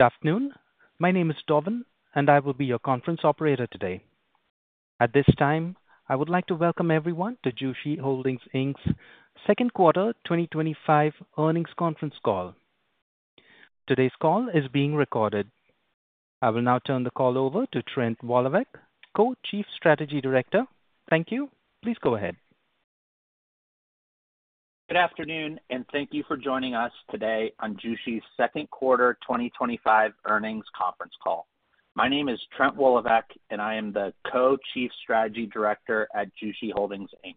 Good afternoon. My name is Dorvin, and I will be your conference operator today. At this time, I would like to welcome everyone to Jushi Holdings Inc.'s Second Quarter 2025 Earnings Conference Call. Today's call is being recorded. I will now turn the call over to Trent Woloveck, Co-Chief Strategy Director. Thank you. Please go ahead. Good afternoon, and thank you for joining us today on Jushi's Second Quarter 2025 Earnings Conference Call. My name is Trent Woloveck, and I am the Co-Chief Strategy Director at Jushi Holdings Inc.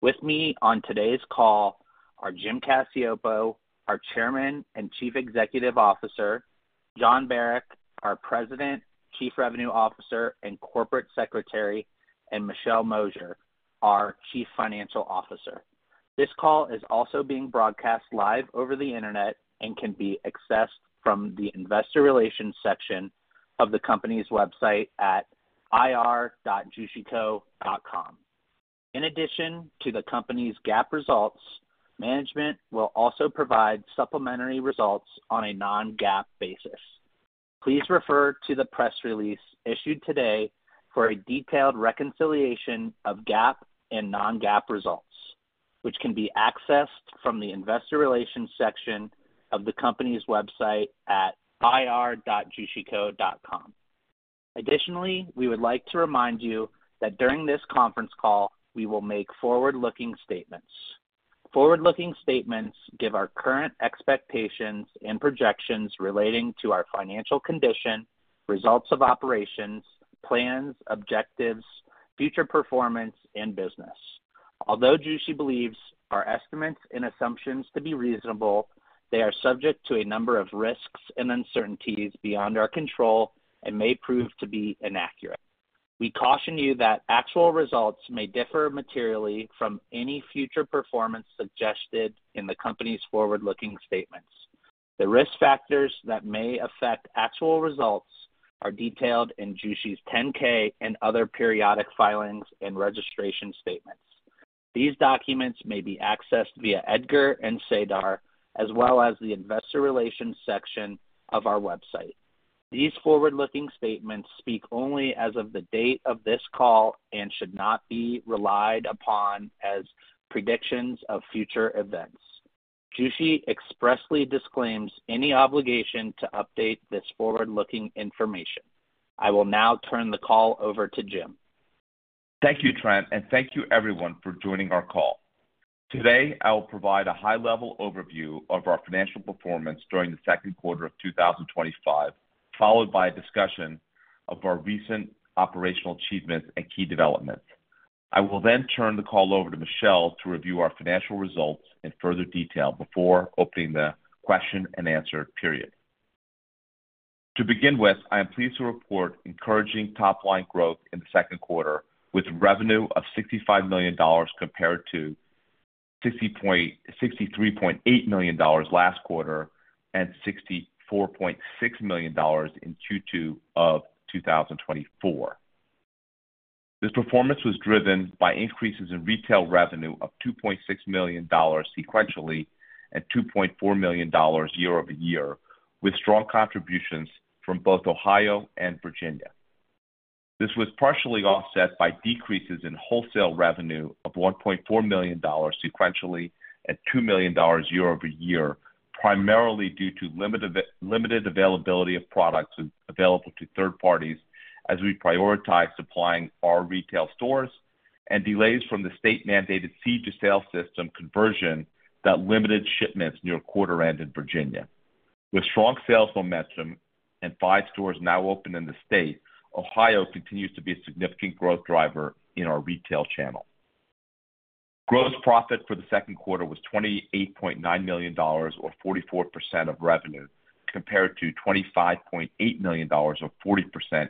With me on today's call are Jim Cacioppo, our Chairman and Chief Executive Officer, Jon Barack, our President, Chief Revenue Officer and Corporate Secretary, and Michelle Mosier, our Chief Financial Officer. This call is also being broadcast live over the Internet and can be accessed from the Investor Relations section of the company's website at ir.jushi-co.com. In addition to the company's GAAP results, management will also provide supplementary results on a non-GAAP basis. Please refer to the press release issued today for a detailed reconciliation of GAAP and non-GAAP results, which can be accessed from the Investor Relations section of the company's website at ir.jushi-co.com. Additionally, we would like to remind you that during this conference call, we will make forward-looking statements. Forward-looking statements give our current expectations and projections relating to our financial condition, results of operations, plans, objectives, future performance, and business. Although Jushi believes our estimates and assumptions to be reasonable, they are subject to a number of risks and uncertainties beyond our control and may prove to be inaccurate. We caution you that actual results may differ materially from any future performance suggested in the company's forward-looking statements. The risk factors that may affect actual results are detailed in Jushi's 10-K and other periodic filings and registration statements. These documents may be accessed via Edgar and SEDAR, as well as the Investor Relations section of our website. These forward-looking statements speak only as of the date of this call and should not be relied upon as predictions of future events. Jushi expressly disclaims any obligation to update this forward-looking information. I will now turn the call over to Jim. Thank you, Trent, and thank you, everyone, for joining our call. Today, I will provide a high-level overview of our financial performance during the second quarter of 2025, followed by a discussion of our recent operational achievements and key developments. I will then turn the call over to Michelle to review our financial results in further detail before opening the question and answer period. To begin with, I am pleased to report encouraging top-line growth in the second quarter, with a revenue of $65 million compared to $63.8 million last quarter and $64.6 million in Q2 of 2024. This performance was driven by increases in retail revenue of $2.6 million sequentially and $2.4 million year-over-year, with strong contributions from both Ohio and Virginia. This was partially offset by decreases in wholesale revenue of $1.4 million sequentially and $2 million year-over-year, primarily due to limited availability of products available to third parties as we prioritize supplying our retail stores and delays from the state-mandated seed-to-sale system conversion that limited shipments near quarter end in Virginia. With strong sales momentum and five stores now open in the state, Ohio continues to be a significant growth driver in our retail channel. Gross profit for the second quarter was $28.9 million, or 44% of revenue, compared to $25.8 million, or 40%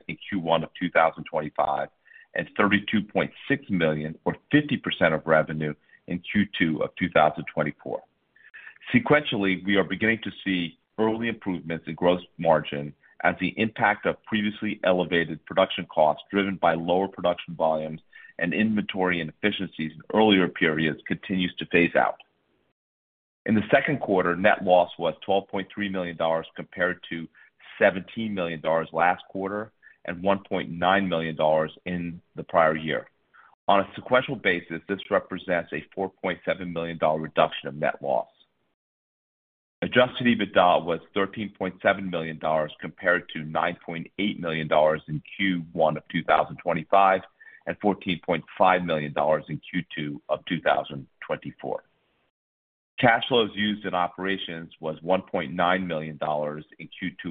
in Q1 of 2025, and $32.6 million, or 50% of revenue, in Q2 of 2024. Sequentially, we are beginning to see early improvements in gross margin as the impact of previously elevated production costs, driven by lower production volumes and inventory inefficiencies in earlier periods, continues to phase out. In the second quarter, net loss was $12.3 million compared to $17 million last quarter and $1.9 million in the prior year. On a sequential basis, this represents a $4.7 million reduction in net loss. Adjusted EBITDA was $13.7 million compared to $9.8 million in Q1 of 2025 and $14.5 million in Q2 of 2024. Cash flows used in operations were $1.9 million in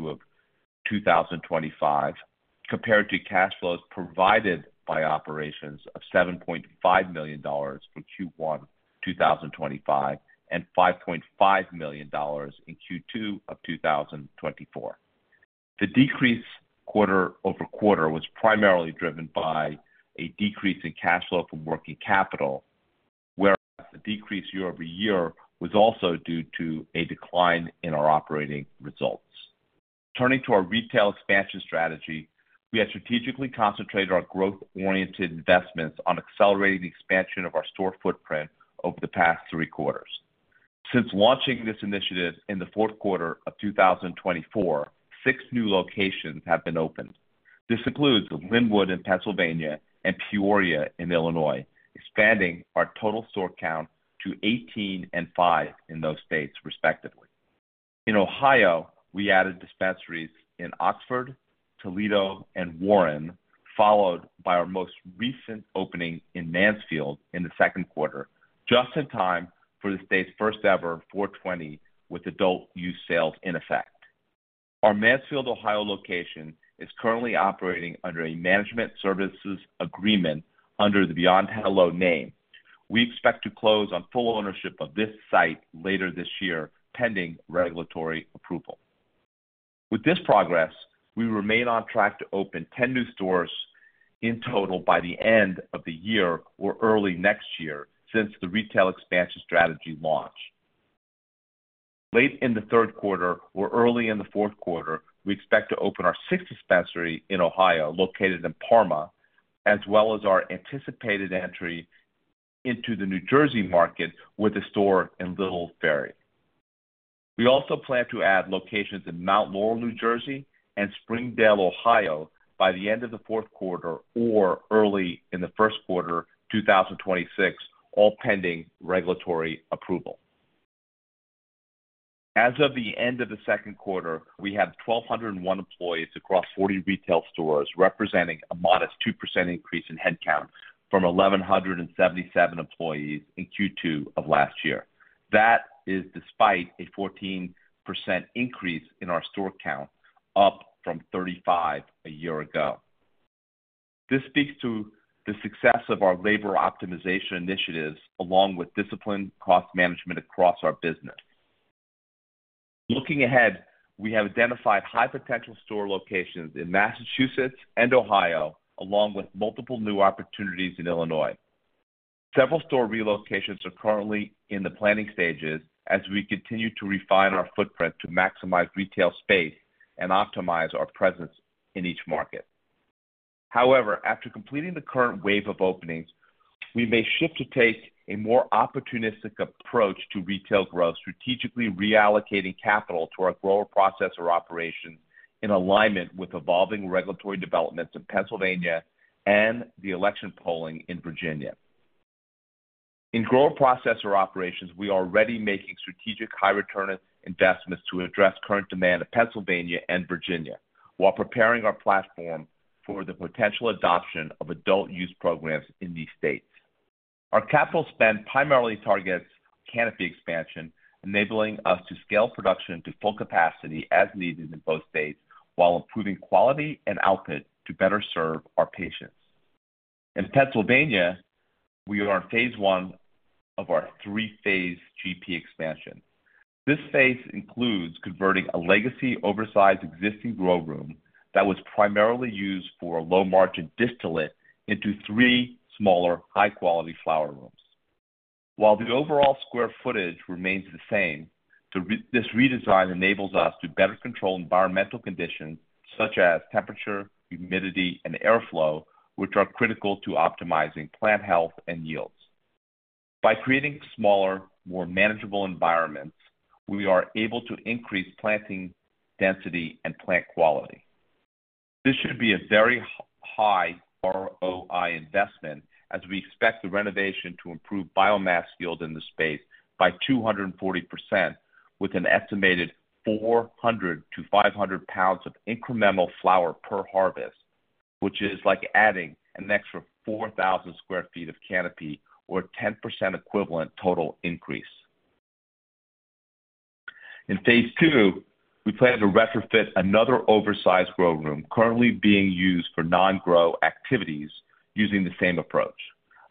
Q2 of 2025, compared to cash flows provided by operations of $7.5 million for Q1 of 2025 and $5.5 million in Q2 of 2024. The decrease quarter-over-quarter was primarily driven by a decrease in cash flow from working capital, whereas the decrease year-over-year was also due to a decline in our operating results. Turning to our retail expansion strategy, we have strategically concentrated our growth-oriented investments on accelerating the expansion of our store footprint over the past three quarters. Since launching this initiative in the fourth quarter of 2024, six new locations have been opened. This includes Lynwood in Pennsylvania and Peoria in Illinois, expanding our total store count to 18 and five in those states, respectively. In Ohio, we added dispensaries in Oxford, Toledo, and Warren, followed by our most recent opening in Mansfield in the second quarter, just in time for the state's first-ever 4/20 with adult use sales in effect. Our Mansfield, Ohio, location is currently operating under a management services agreement under the Beyond Hello name. We expect to close on full ownership of this site later this year, pending regulatory approval. With this progress, we remain on track to open 10 new stores in total by the end of the year or early next year since the retail expansion strategy launch. Late in the third quarter or early in the fourth quarter, we expect to open our sixth dispensary in Ohio, located in Parma, as well as our anticipated entry into the New Jersey market with a store in Little Ferry. We also plan to add locations in Mount Laurel, New Jersey, and Springdale, Ohio, by the end of the fourth quarter or early in the first quarter of 2026, all pending regulatory approval. As of the end of the second quarter, we have 1,201 employees across 40 retail stores, representing a modest 2% increase in headcount from 1,177 employees in Q2 of last year. That is despite a 14% increase in our store count, up from 35 a year ago. This speaks to the success of our labor optimization initiatives, along with disciplined cost management across our business. Looking ahead, we have identified high-potential store locations in Massachusetts and Ohio, along with multiple new opportunities in Illinois. Several store relocations are currently in the planning stages as we continue to refine our footprint to maximize retail space and optimize our presence in each market. However, after completing the current wave of openings, we may shift to take a more opportunistic approach to retail growth, strategically reallocating capital to our grower processor operations in alignment with evolving regulatory developments in Pennsylvania and the election polling in Virginia. In grower processor operations, we are already making strategic high-return investments to address current demand in Pennsylvania and Virginia while preparing our platform for the potential adoption of adult use programs in these states. Our capital spend primarily targets canopy expansion, enabling us to scale production to full capacity as needed in both states while improving quality and output to better serve our patients. In Pennsylvania, we are in phase I of our three-phase GP expansion. This phase includes converting a legacy oversized existing grow room that was primarily used for low-margin distillate into three smaller, high-quality flower rooms. While the overall square footage remains the same, this redesign enables us to better control environmental conditions such as temperature, humidity, and airflow, which are critical to optimizing plant health and yields. By creating smaller, more manageable environments, we are able to increase planting density and plant quality. This should be a very high ROI investment as we expect the renovation to improve biomass yield in this space by 240%, with an estimated £400-£500 of incremental flower per harvest, which is like adding an extra 4,000 sq ft of canopy, or a 10% equivalent total increase. In phase II, we plan to retrofit another oversized grow room currently being used for non-grow activities using the same approach,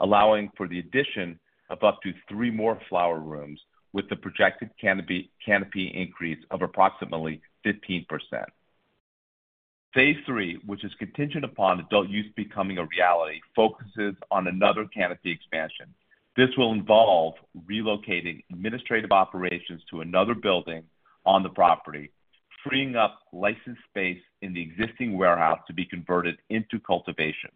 allowing for the addition of up to three more flower rooms with the projected canopy increase of approximately 15%. Phase III, which is contingent upon adult use becoming a reality, focuses on another canopy expansion. This will involve relocating administrative operations to another building on the property, freeing up licensed space in the existing warehouse to be converted into cultivation.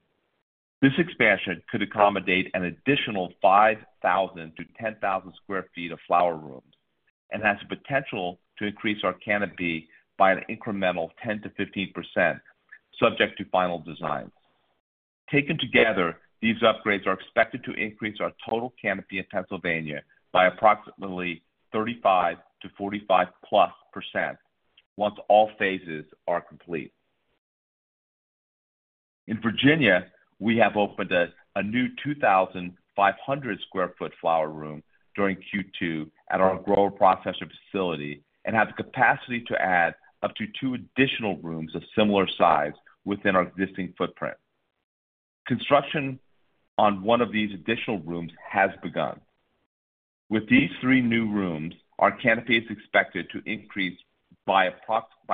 This expansion could accommodate an additional 5,000-10,000 sq ft of flower rooms and has the potential to increase our canopy by an incremental 10%-15%, subject to final design. Taken together, these upgrades are expected to increase our total canopy in Pennsylvania by approximately 35%-45+% once all phases are complete. In Virginia, we have opened a new 2,500 sq ft flower room during Q2 at our grower processor facility and have the capacity to add up to two additional rooms of similar size within our existing footprint. Construction on one of these additional rooms has begun. With these three new rooms, our canopy is expected to increase by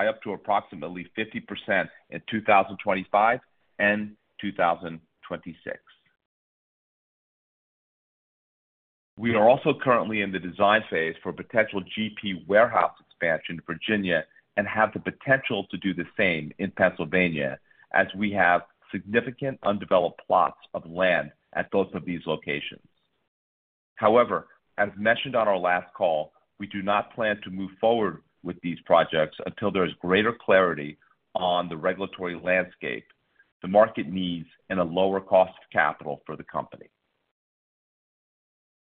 up to approximately 50% in 2025 and 2026. We are also currently in the design phase for a potential grower processor warehouse expansion in Virginia and have the potential to do the same in Pennsylvania as we have significant undeveloped plots of land at both of these locations. However, as mentioned on our last call, we do not plan to move forward with these projects until there is greater clarity on the regulatory landscape, the market needs, and a lower cost of capital for the company.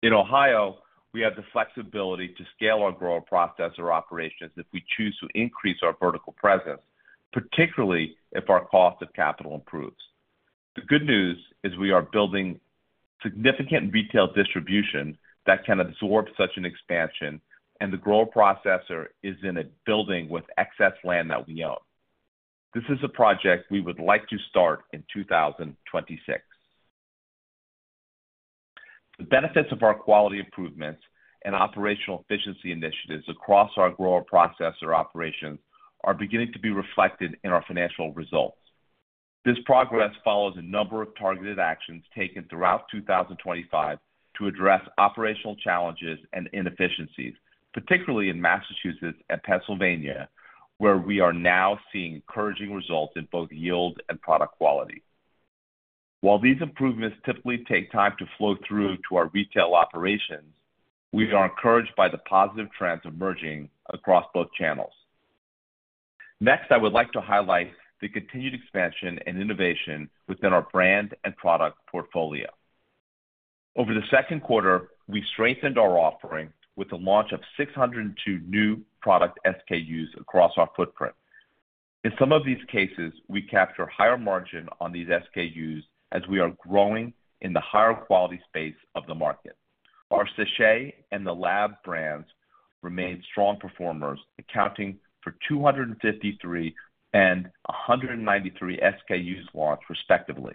In Ohio, we have the flexibility to scale our grower processor operations if we choose to increase our vertical presence, particularly if our cost of capital improves. The good news is we are building significant retail distribution that can absorb such an expansion, and the grower processor is in a building with excess land that we own. This is a project we would like to start in 2026. The benefits of our quality improvements and operational efficiency initiatives across our grower processor operations are beginning to be reflected in our financial results. This progress follows a number of targeted actions taken throughout 2025 to address operational challenges and inefficiencies, particularly in Massachusetts and Pennsylvania, where we are now seeing encouraging results in both yield and product quality. While these improvements typically take time to flow through to our retail operations, we are encouraged by the positive trends emerging across both channels. Next, I would like to highlight the continued expansion and innovation within our brand and product portfolio. Over the second quarter, we strengthened our offering with the launch of 602 new product SKUs across our footprint. In some of these cases, we capture a higher margin on these SKUs as we are growing in the higher quality space of the market. Our Sachet and The Lab brands remain strong performers, accounting for 253 and 193 SKUs launched, respectively.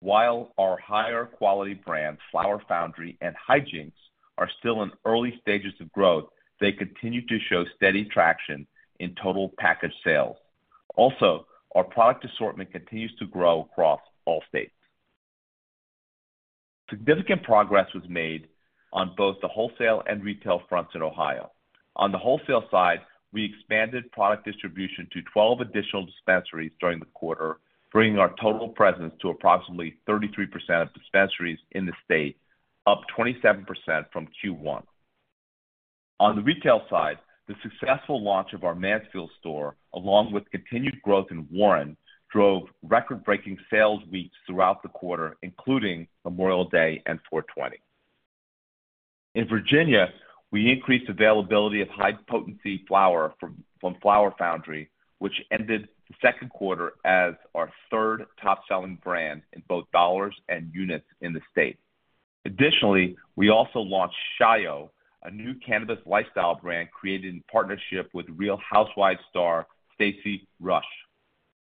While our higher quality brands, Flower Foundry and Hijinks are still in early stages of growth, they continue to show steady traction in total package sales. Also, our product assortment continues to grow across all states. Significant progress was made on both the wholesale and retail fronts in Ohio. On the wholesale side, we expanded product distribution to 12 additional dispensaries during the quarter, bringing our total presence to approximately 33% of dispensaries in the state, up 27% from Q1. On the retail side, the successful launch of our Mansfield store, along with continued growth in Warren, drove record-breaking sales weeks throughout the quarter, including Memorial Day and 4/20. In Virginia, we increased availability of high-potency flower from Flower Foundry, which ended the second quarter as our third top-selling brand in both dollars and units in the state. Additionally, we also launched Shio, a new cannabis lifestyle brand created in partnership with Real Housewives' star, Stacy Rusch.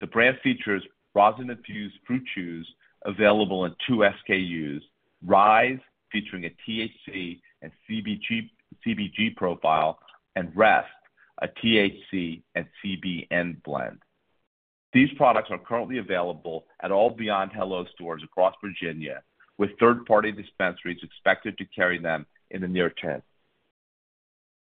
The brand features rosin-infused fruit juice available in two SKUs, Rise featuring a THC and CBG profile, and Rest, a THC and CBN blend. These products are currently available at all Beyond Hello stores across Virginia, with third-party dispensaries expected to carry them in the near term.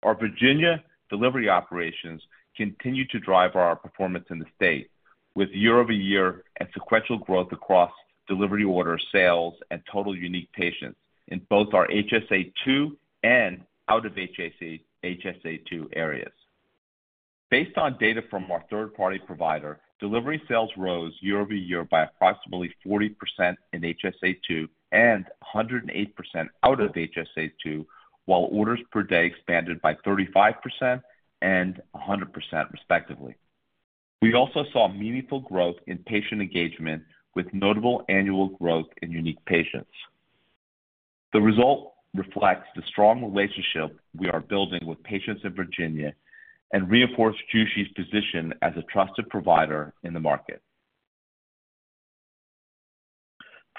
Our Virginia delivery operations continue to drive our performance in the state, with year-over-year and sequential growth across delivery order sales and total unique patients in both our HSA2 and out-of-HSA2 areas. Based on data from our third-party provider, delivery sales rose year-over-year by approximately 40% in HSA2 and 108% out of HSA2, while orders per day expanded by 35% and 100%, respectively. We also saw meaningful growth in patient engagement, with notable annual growth in unique patients. The result reflects the strong relationship we are building with patients in Virginia and reinforces Jushi's position as a trusted provider in the market.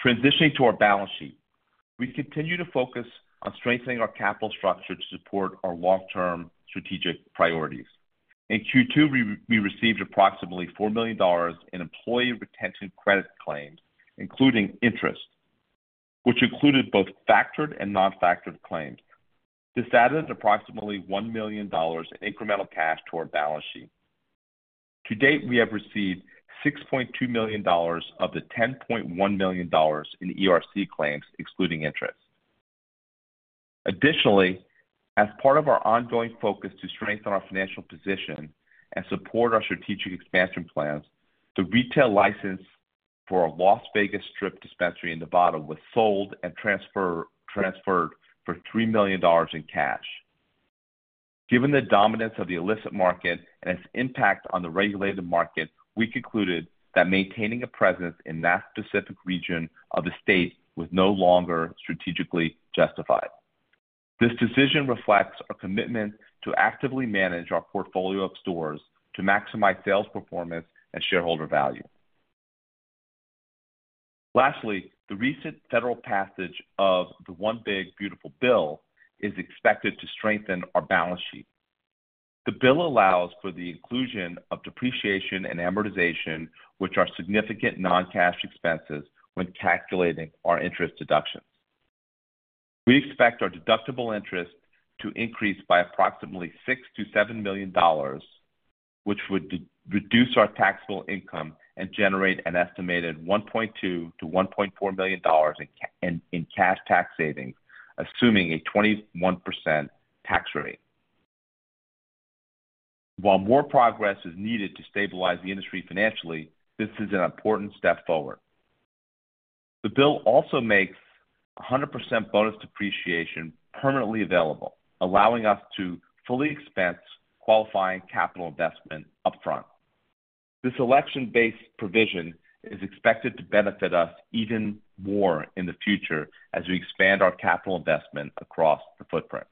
Transitioning to our balance sheet, we continue to focus on strengthening our capital structure to support our long-term strategic priorities. In Q2, we received approximately $4 million in employee retention credit claims, including interest, which included both factored and non-factored claims. This added approximately $1 million in incremental cash to our balance sheet. To date, we have received $6.2 million of the $10.1 million in ERC claims, excluding interest. Additionally, as part of our ongoing focus to strengthen our financial position and support our strategic expansion plans, the retail license for a Las Vegas Strip dispensary in Nevada was sold and transferred for $3 million in cash. Given the dominance of the illicit market and its impact on the regulated market, we concluded that maintaining a presence in that specific region of the state was no longer strategically justifiable. This decision reflects our commitment to actively manage our portfolio of stores to maximize sales performance and shareholder value. Lastly, the recent federal passage of the One Big Beautiful Bill is expected to strengthen our balance sheet. The bill allows for the inclusion of depreciation and amortization, which are significant non-cash expenses when calculating our interest deductions. We expect our deductible interest to increase by approximately $6 million-$7 million, which would reduce our taxable income and generate an estimated $1.2 million-$1.4 million in cash tax savings, assuming a 21% tax rate. While more progress is needed to stabilize the industry financially, this is an important step forward. The bill also makes a 100% bonus depreciation permanently available, allowing us to fully expense qualifying capital investment upfront. This election-based provision is expected to benefit us even more in the future as we expand our capital investment across the footprint.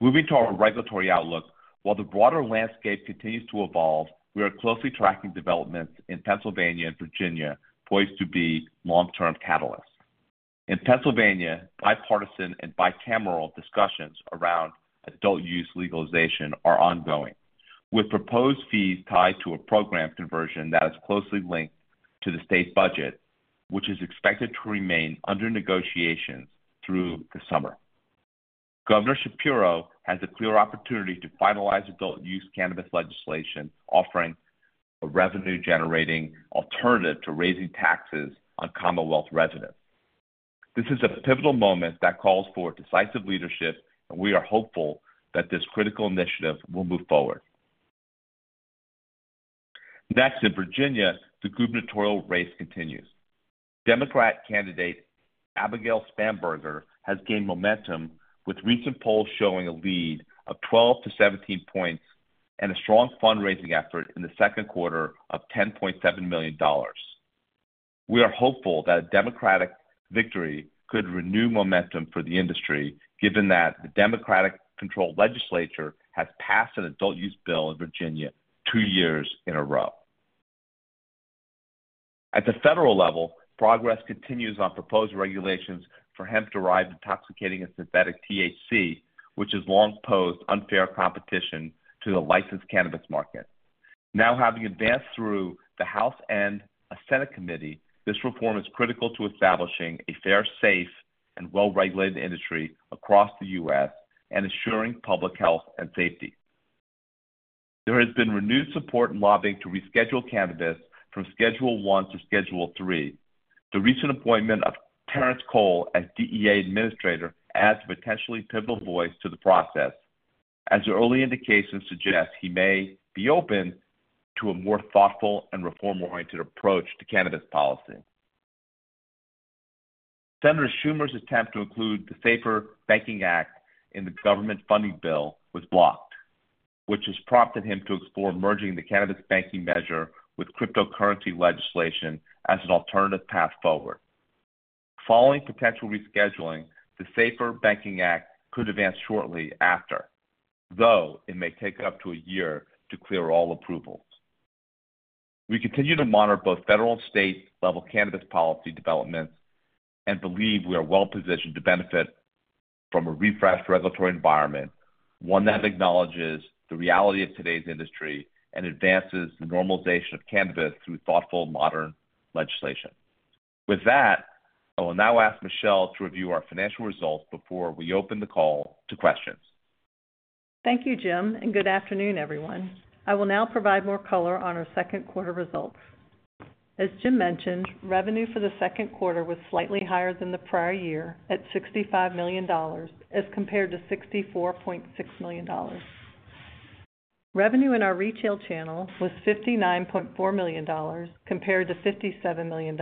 Moving to our regulatory outlook, while the broader landscape continues to evolve, we are closely tracking developments in Pennsylvania and Virginia, poised to be long-term catalysts. In Pennsylvania, bipartisan and bicameral discussions around adult use legalization are ongoing, with proposed fees tied to a program conversion that is closely linked to the state's budget, which is expected to remain under negotiations through the summer. Governor Shapiro has a clear opportunity to finalize adult use cannabis legislation, offering a revenue-generating alternative to raising taxes on Commonwealth residents. This is a pivotal moment that calls for decisive leadership, and we are hopeful that this critical initiative will move forward. Next, in Virginia, the gubernatorial race continues. Democratic candidate Abigail Spanberger has gained momentum with recent polls showing a lead of 12%-17% and a strong fundraising effort in the second quarter of $10.7 million. We are hopeful that a Democratic victory could renew momentum for the industry, given that the Democratic-controlled legislature has passed an adult use bill in Virginia two years in a row. At the federal level, progress continues on proposed regulations for hemp-derived intoxicating and synthetic THC, which has long posed unfair competition to the licensed cannabis market. Now having advanced through the House and a Senate committee, this reform is critical to establishing a fair, safe, and well-regulated industry across the U.S. and ensuring public health and safety. There has been renewed support and lobbying to reschedule cannabis from Schedule 1 to Schedule 3. The recent appointment of Terrence Cole as DEA administrator adds a potentially pivotal voice to the process, as early indications suggest he may be open to a more thoughtful and reform-oriented approach to cannabis policy. Senator Schumer's attempt to include the SAFER Banking Act in the government funding bill was blocked, which has prompted him to explore merging the cannabis banking measure with cryptocurrency legislation as an alternative path forward. Following potential rescheduling, the SAFER Banking Act could advance shortly after, though it may take up to a year to clear all approvals. We continue to monitor both federal and state-level cannabis policy developments and believe we are well positioned to benefit from a refreshed regulatory environment, one that acknowledges the reality of today's industry and advances the normalization of cannabis through thoughtful, modern legislation. With that, I will now ask Michelle to review our financial results before we open the call to questions. Thank you, Jim, and good afternoon, everyone. I will now provide more color on our second quarter results. As Jim mentioned, revenue for the second quarter was slightly higher than the prior year at $65 million as compared to $64.6 million. Revenue in our retail channel was $59.4 million compared to $57 million.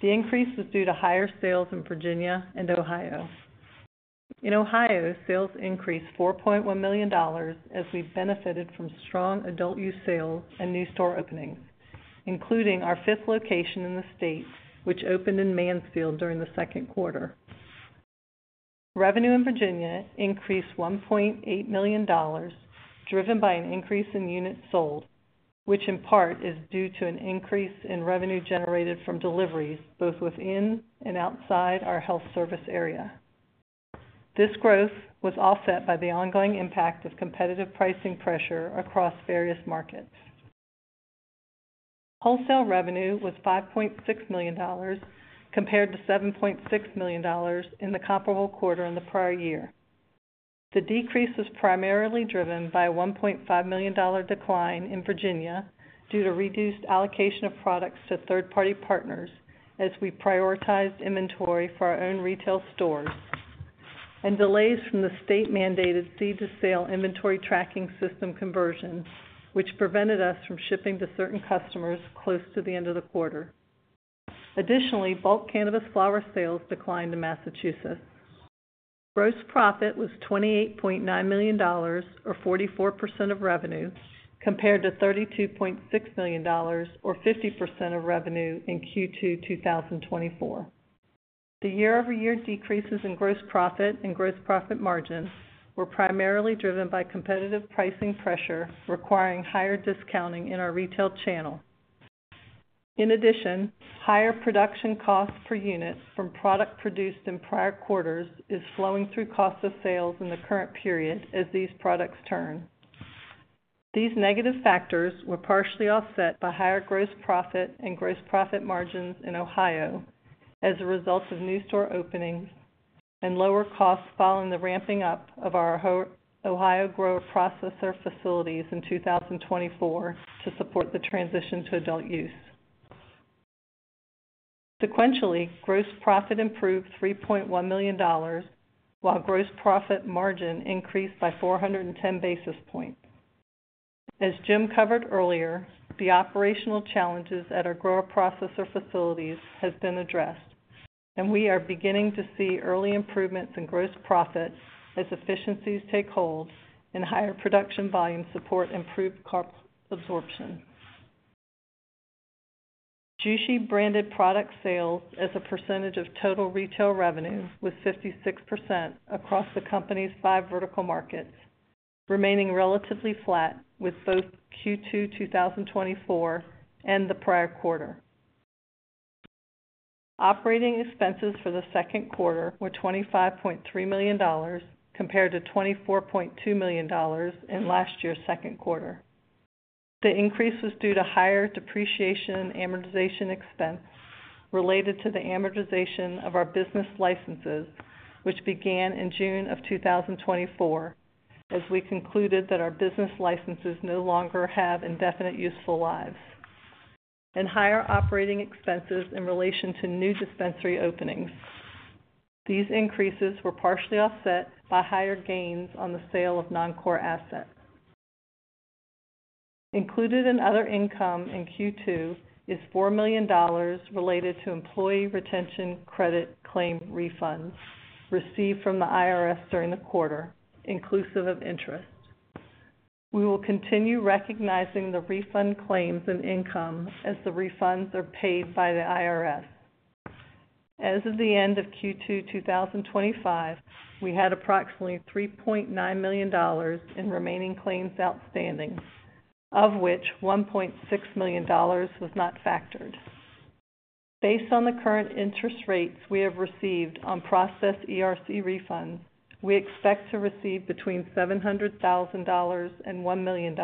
The increase was due to higher sales in Virginia and Ohio. In Ohio, sales increased $4.1 million as we benefited from strong adult use sales and new store openings, including our fifth location in the state, which opened in Mansfield during the second quarter. Revenue in Virginia increased $1.8 million, driven by an increase in units sold, which in part is due to an increase in revenue generated from deliveries both within and outside our health service area. This growth was offset by the ongoing impact of competitive pricing pressure across various markets. Wholesale revenue was $5.6 million compared to $7.6 million in the comparable quarter in the prior year. The decrease was primarily driven by a $1.5 million decline in Virginia due to reduced allocation of products to third-party partners as we prioritized inventory for our own retail stores and delays from the state-mandated seed-to-sale inventory tracking system conversion, which prevented us from shipping to certain customers close to the end of the quarter. Additionally, bulk cannabis flower sales declined in Massachusetts. Gross profit was $28.9 million, or 44% of revenue, compared to $32.6 million, or 50% of revenue in Q2 2024. The year-over-year decreases in gross profit and gross profit margin were primarily driven by competitive pricing pressure requiring higher discounting in our retail channel. In addition, higher production costs per unit from product produced in prior quarters are flowing through cost of sales in the current period as these products turn. These negative factors were partially offset by higher gross profit and gross profit margins in Ohio as a result of new store openings and lower costs following the ramping up of our Ohio grower processor facilities in 2024 to support the transition to adult use. Sequentially, gross profit improved $3.1 million, while gross profit margin increased by 410 basis points. As Jim covered earlier, the operational challenges at our grower processor facilities have been addressed, and we are beginning to see early improvements in gross profit as efficiencies take hold and higher production volumes support improved carb absorption. Jushi branded product sales as a percentage of total retail revenue was 56% across the company's five vertical markets, remaining relatively flat with both Q2 2024 and the prior quarter. Operating expenses for the second quarter were $25.3 million compared to $24.2 million in last year's second quarter. The increase was due to higher depreciation and amortization expense related to the amortization of our business licenses, which began in June of 2024, as we concluded that our business licenses no longer have indefinite useful lives, and higher operating expenses in relation to new dispensary openings. These increases were partially offset by higher gains on the sale of non-core assets. Included in other income in Q2 is $4 million related to employee retention credit claim refunds received from the IRS during the quarter, inclusive of interest. We will continue recognizing the refund claims and income as the refunds are paid by the IRS. As of the end of Q2 2025, we had approximately $3.9 million in remaining claims outstanding, of which $1.6 million was not factored. Based on the current interest rates we have received on processed ERC refunds, we expect to receive between $700,000 and $1 million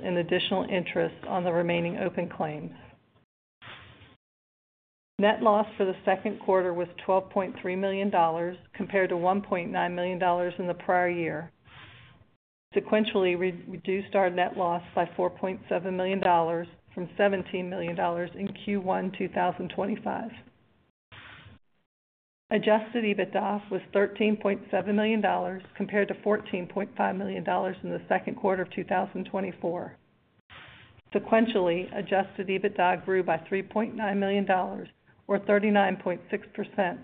in additional interest on the remaining open claims. Net loss for the second quarter was $12.3 million compared to $1.9 million in the prior year. Sequentially, we reduced our net loss by $4.7 million from $17 million in Q1 2025. Adjusted EBITDA was $13.7 million compared to $14.5 million in the second quarter of 2024. Sequentially, adjusted EBITDA grew by $3.9 million, or 39.6%,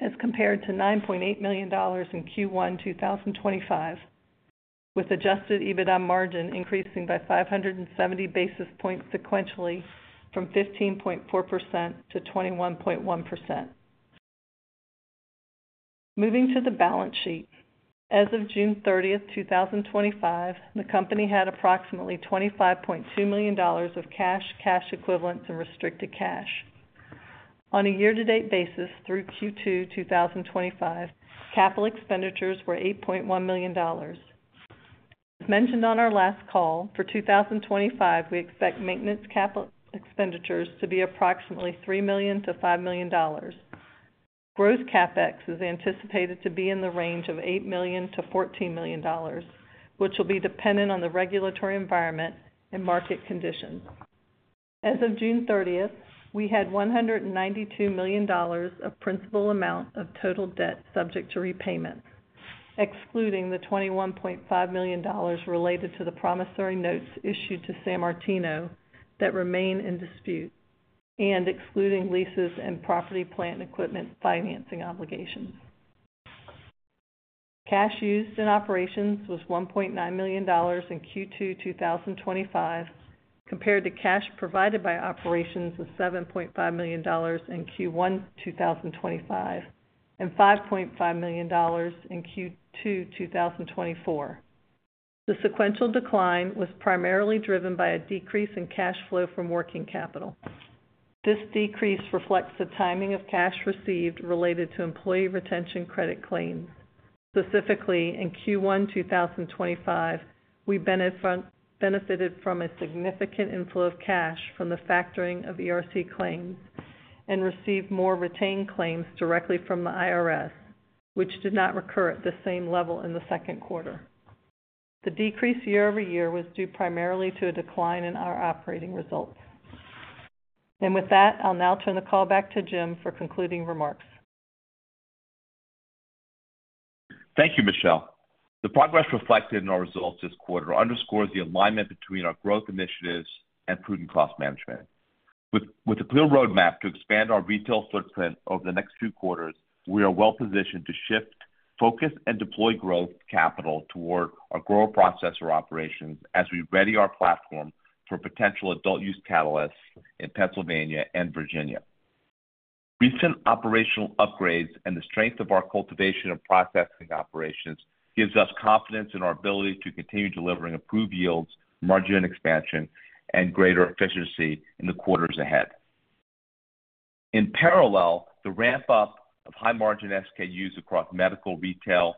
as compared to $9.8 million in Q1 2025, with adjusted EBITDA margin increasing by 570 basis points sequentially from 15.4% to 21.1%. Moving to the balance sheet, as of June 30th, 2025, the company had approximately $25.2 million of cash, cash equivalents, and restricted cash. On a year-to-date basis through Q2 2025, capital expenditures were $8.1 million. Mentioned on our last call, for 2025, we expect maintenance capital expenditures to be approximately $3 million-$5 million. Gross CapEx is anticipated to be in the range of $8 million-$14 million, which will be dependent on the regulatory environment and market conditions. As of June 30th, we had $192 million of principal amount of total debt subject to repayments, excluding the $21.5 million related to the promissory notes issued to San Martino that remain in dispute and excluding leases and property, plant, and equipment financing obligations. Cash used in operations was $1.9 million in Q2 2025, compared to cash provided by operations of $7.5 million in Q1 2025 and $5.5 million in Q2 2024. The sequential decline was primarily driven by a decrease in cash flow from working capital. This decrease reflects the timing of cash received related to employee retention credit claims. Specifically, in Q1 2025, we benefited from a significant inflow of cash from the factoring of ERC claims and received more retained claims directly from the IRS, which did not recur at the same level in the second quarter. The decrease year-over-year was due primarily to a decline in our operating results. With that, I'll now turn the call back to Jim for concluding remarks. Thank you, Michelle. The progress reflected in our results this quarter underscores the alignment between our growth initiatives and prudent cost management. With a clear roadmap to expand our retail footprint over the next two quarters, we are well positioned to shift, focus, and deploy growth capital toward our grower processor operations as we ready our platform for potential adult use catalysts in Pennsylvania and Virginia. Recent operational upgrades and the strength of our cultivation and processing operations give us confidence in our ability to continue delivering improved yields, margin expansion, and greater efficiency in the quarters ahead. In parallel, the ramp-up of high-margin SKUs across medical, retail,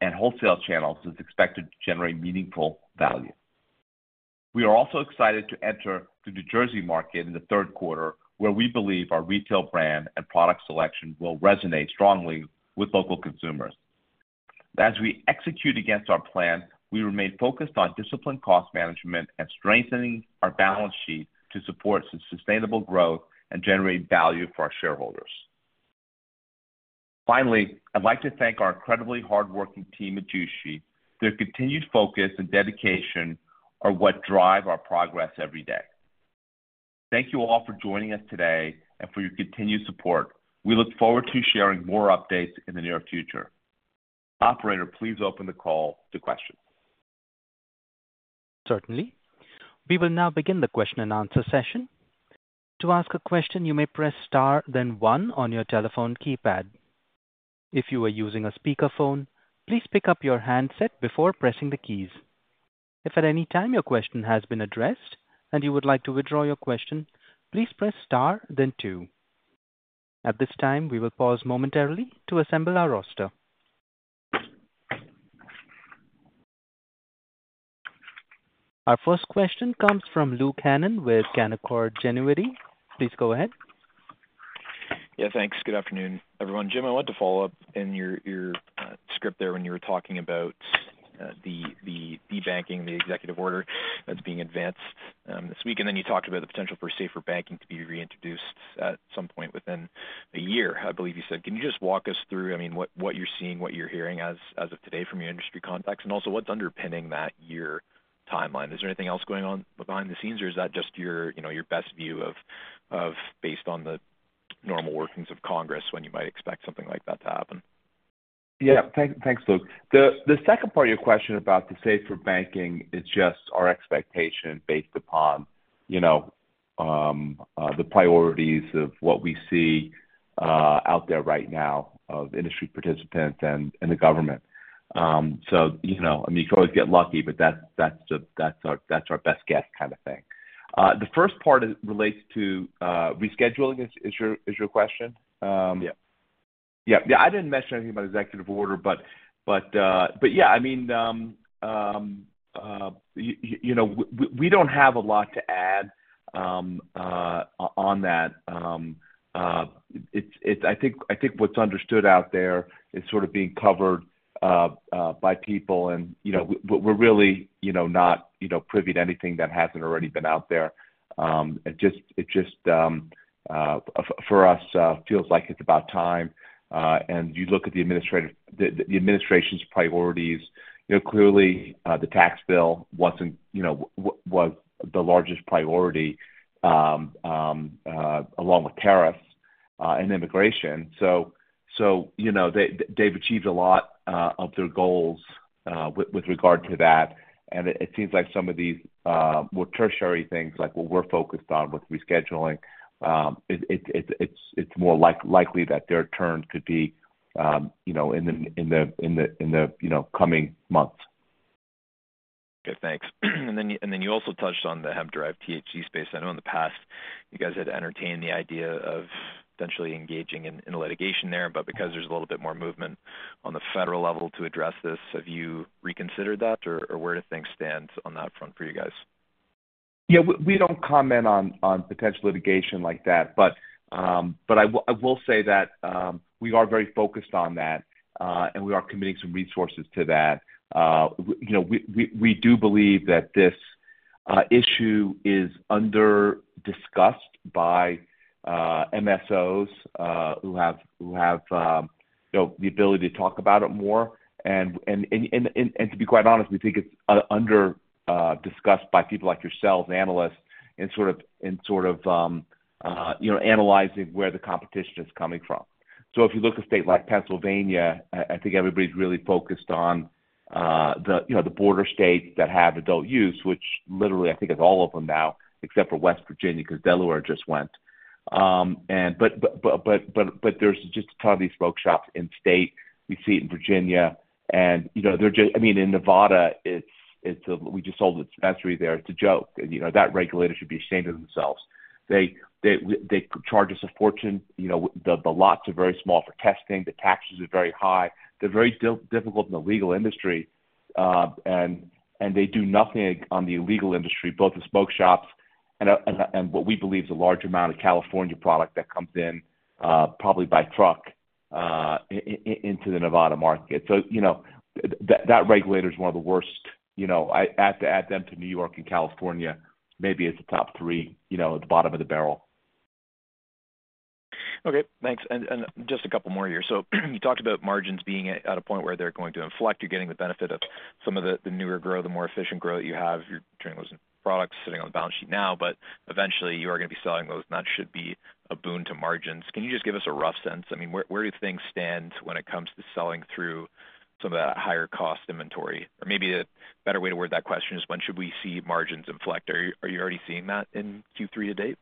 and wholesale channels is expected to generate meaningful value. We are also excited to enter the New Jersey market in the third quarter, where we believe our retail brand and product selection will resonate strongly with local consumers. As we execute against our plan, we remain focused on disciplined cost management and strengthening our balance sheet to support sustainable growth and generate value for our shareholders. Finally, I'd like to thank our incredibly hardworking team at Jushi. Their continued focus and dedication are what drive our progress every day. Thank you all for joining us today and for your continued support. We look forward to sharing more updates in the near future. Operator, please open the call to questions. Certainly. We will now begin the question-and-answer session. To ask a question, you may press Star, then one on your telephone keypad. If you are using a speakerphone, please pick up your handset before pressing the keys. If at any time your question has been addressed and you would like to withdraw your question, please press Star, then two. At this time, we will pause momentarily to assemble our roster. Our first question comes from Luke Hannan with Canaccord Genuity. Please go ahead. Yeah, thanks. Good afternoon, everyone. Jim, I wanted to follow up in your script there when you were talking about the debanking, the executive order that's being advanced this week. You talked about the potential for safer banking to be reintroduced at some point within a year, I believe you said. Can you just walk us through what you're seeing, what you're hearing as of today from your industry contacts, and also what's underpinning that year timeline? Is there anything else going on behind the scenes, or is that just your best view based on the normal workings of Congress when you might expect something like that to happen? Yeah, thanks, Luke. The second part of your question about the safer banking is just our expectation based upon the priorities of what we see out there right now of industry participants and the government. You can always get lucky, but that's our best guess kind of thing. The first part relates to rescheduling, is your question? Yeah. Yeah, I didn't mention anything about executive order, but yeah, I mean, we don't have a lot to add on that. I think what's understood out there is sort of being covered by people, and we're really not privy to anything that hasn't already been out there. It just, for us, feels like it's about time. You look at the administration's priorities, clearly the tax bill wasn't the largest priority, along with tariffs and immigration. They've achieved a lot of their goals with regard to that. It seems like some of these more tertiary things like what we're focused on with rescheduling, it's more likely that their turn could be in the coming months. Good, thanks. You also touched on the hemp-derived THC space. I know in the past you guys had entertained the idea of potentially engaging in litigation there, but because there's a little bit more movement on the federal level to address this, have you reconsidered that, or where do things stand on that front for you guys? Yeah, we don't comment on potential litigation like that, but I will say that we are very focused on that, and we are committing some resources to that. We do believe that this issue is under-discussed by MSOs who have the ability to talk about it more. To be quite honest, we think it's under-discussed by people like yourselves, analysts, in analyzing where the competition is coming from. If you look at a state like Pennsylvania, I think everybody's really focused on the border states that have adult use, which literally I think is all of them now, except for West Virginia because Delaware just went. There's just a ton of these rogue shops in state. We see it in Virginia, and they're just, I mean, in Nevada, we just sold the dispensary there. It's a joke. That regulator should be ashamed of themselves. They charge us a fortune. The lots are very small for testing. The taxes are very high. They're very difficult in the legal industry, and they do nothing on the illegal industry, both the smoke shops and what we believe is a large amount of California product that comes in probably by truck into the Nevada market. That regulator is one of the worst. I have to add them to New York and California maybe as the top three at the bottom of the barrel. Okay, thanks. Just a couple more here. You talked about margins being at a point where they're going to inflect. You're getting the benefit of some of the newer growth, the more efficient growth you have. You're turning those products sitting on the balance sheet now, but eventually you are going to be selling those, and that should be a boon to margins. Can you just give us a rough sense? I mean, where do things stand when it comes to selling through some of that higher cost inventory? Maybe a better way to word that question is when should we see margins inflect? Are you already seeing that in Q3 to date?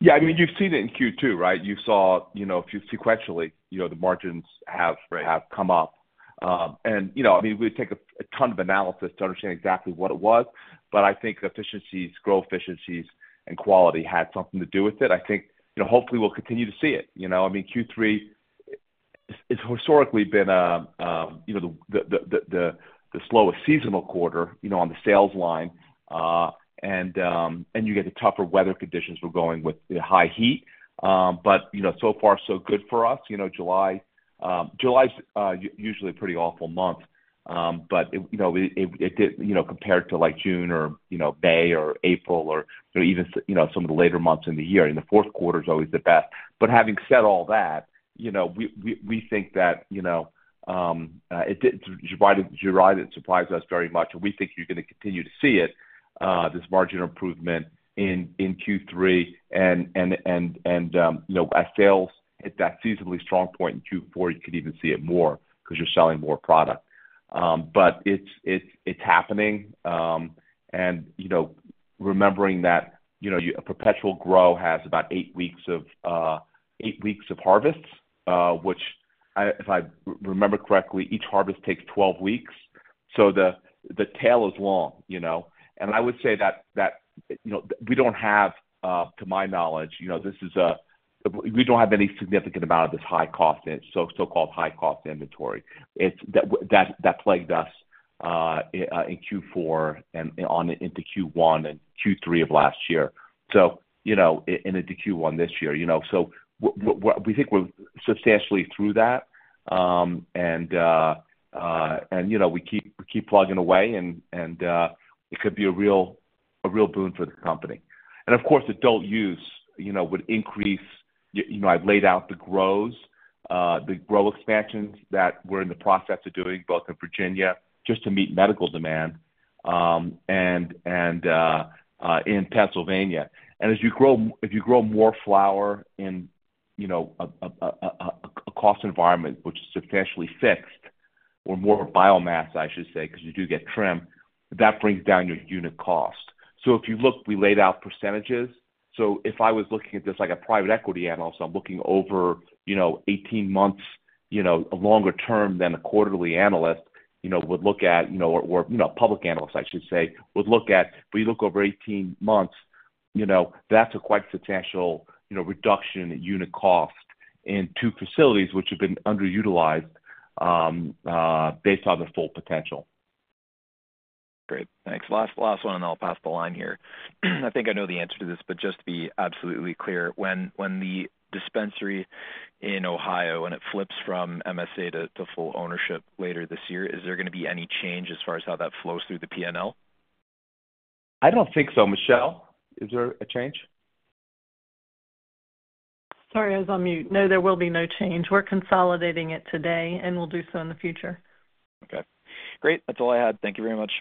Yeah, I mean, you've seen it in Q2, right? You saw, you know, if you sequentially, you know, the margins have come up. It would take a ton of analysis to understand exactly what it was, but I think efficiencies, growth efficiencies, and quality had something to do with it. I think, hopefully we'll continue to see it. Q3 has historically been the slowest seasonal quarter on the sales line, and you get the tougher weather conditions we're going with high heat. So far so good for us. July, July's usually a pretty awful month, but it did, compared to like June or May or April or even some of the later months in the year, and the fourth quarter is always the best. Having said all that, we think that July surprised us very much, and we think you're going to continue to see it, this margin improvement in Q3. At sales, at that seasonally strong point in Q4, you could even see it more because you're selling more product. It's happening. Remembering that a perpetual grow has about eight weeks of harvests, which, if I remember correctly, each harvest takes 12 weeks. The tail is long. I would say that, to my knowledge, we don't have any significant amount of this high cost, so-called high cost inventory that plagued us in Q4 and on into Q1 and Q3 of last year, and into Q1 this year. We think we're substantially through that. We keep plugging away, and it could be a real boon for the company. Of course, adult use would increase. I've laid out the grows, the grow expansions that we're in the process of doing both in Virginia, just to meet medical demand, and in Pennsylvania. As you grow, if you grow more flower in a cost environment which is substantially fixed, or more biomass, I should say, because you do get trim, that brings down your unit cost. If you look, we laid out percentages. If I was looking at this like a private equity analyst, I'm looking over 18 months, a longer term than a quarterly analyst would look at, or a public analyst, I should say, would look at, but you look over 18 months, that's a quite substantial reduction in unit cost in two facilities which have been underutilized based on their full potential. Great, thanks. Last one, and then I'll pass the line here. I think I know the answer to this, but just to be absolutely clear, when the dispensary in Ohio, when it flips from MSA to full ownership later this year, is there going to be any change as far as how that flows through the P&L? I don't think so, Michelle. Is there a change? Sorry, I was on mute. No, there will be no change. We're consolidating it today, and we'll do so in the future. Okay, great. That's all I had. Thank you very much.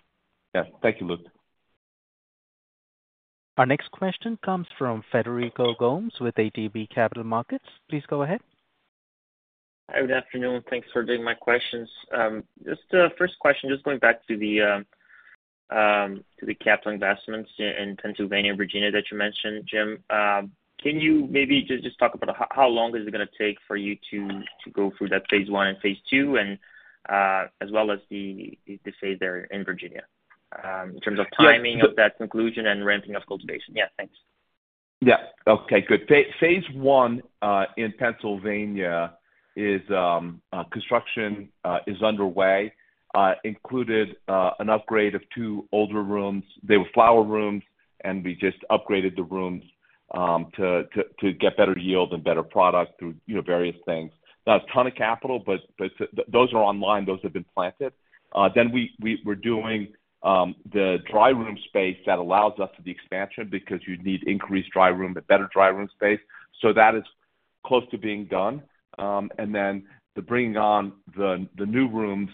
Yeah, thank you, Luke. Our next question comes from Frederico Gomes with ATB Capital Markets. Please go ahead. Hi, good afternoon. Thanks for doing my questions. Just the first question, just going back to the capital investments in Pennsylvania and Virginia that you mentioned, Jim, can you maybe just talk about how long it is going to take for you to go through that phase I and phase II, as well as the phase there in Virginia in terms of timing of that conclusion and ramping up cultivation? Yeah, thanks. Yeah, okay, good. Phase I in Pennsylvania is construction is underway, included an upgrade of two older rooms. They were flower rooms, and we just upgraded the rooms to get better yield and better product through, you know, various things. Not a ton of capital, but those are online. Those have been planted. We are doing the dry room space that allows us to the expansion because you need increased dry room and better dry room space. That is close to being done. Bringing on the new rooms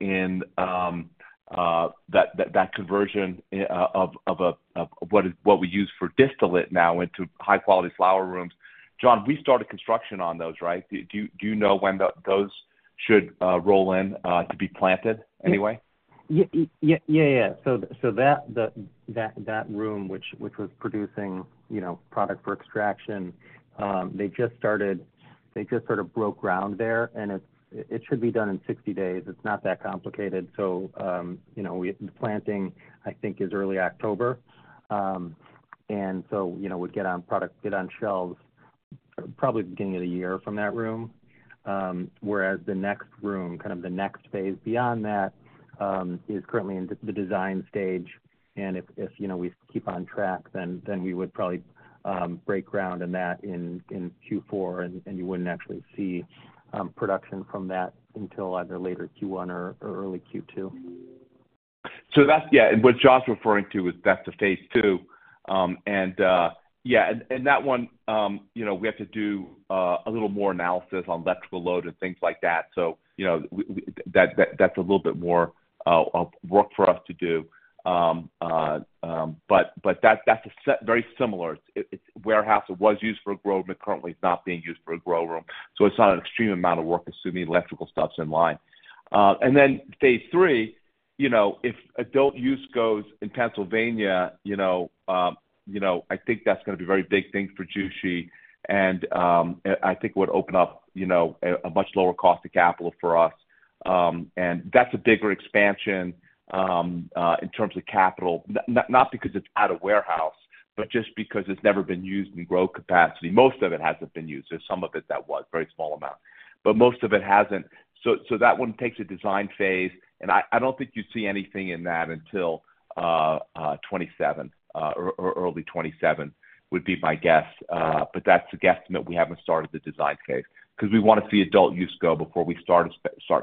in that conversion of what we use for distillate now into high-quality flower rooms. Jon, we started construction on those, right? Do you know when those should roll in to be planted anyway? That room, which was producing product for extraction, just started, they just broke ground there, and it should be done in 60 days. It's not that complicated. The planting, I think, is early October. We get on product, get on shelves probably at the beginning of the year from that room. The next room, kind of the next phase beyond that, is currently in the design stage. If we keep on track, then we would probably break ground in that in Q4, and you wouldn't actually see production from that until either later Q1 or early Q2. That's what Jon's referring to, that's the phase II. That one, we have to do a little more analysis on electrical load and things like that. That's a little bit more work for us to do, but that's a very similar warehouse that was used for a grow room but currently is not being used for a grow room. It's not an extreme amount of work assuming electrical stuff's in line. Phase III, if adult use goes in Pennsylvania, I think that's going to be a very big thing for Jushi. I think it would open up a much lower cost of capital for us. That's a bigger expansion in terms of capital, not because it's out of warehouse, but just because it's never been used in grow capacity. Most of it hasn't been used. There's some of it that was, a very small amount, but most of it hasn't. That one takes a design phase. I don't think you see anything in that until 2027 or early 2027 would be my guess. That's the guesstimate. We haven't started the design phase because we want to see adult use go before we start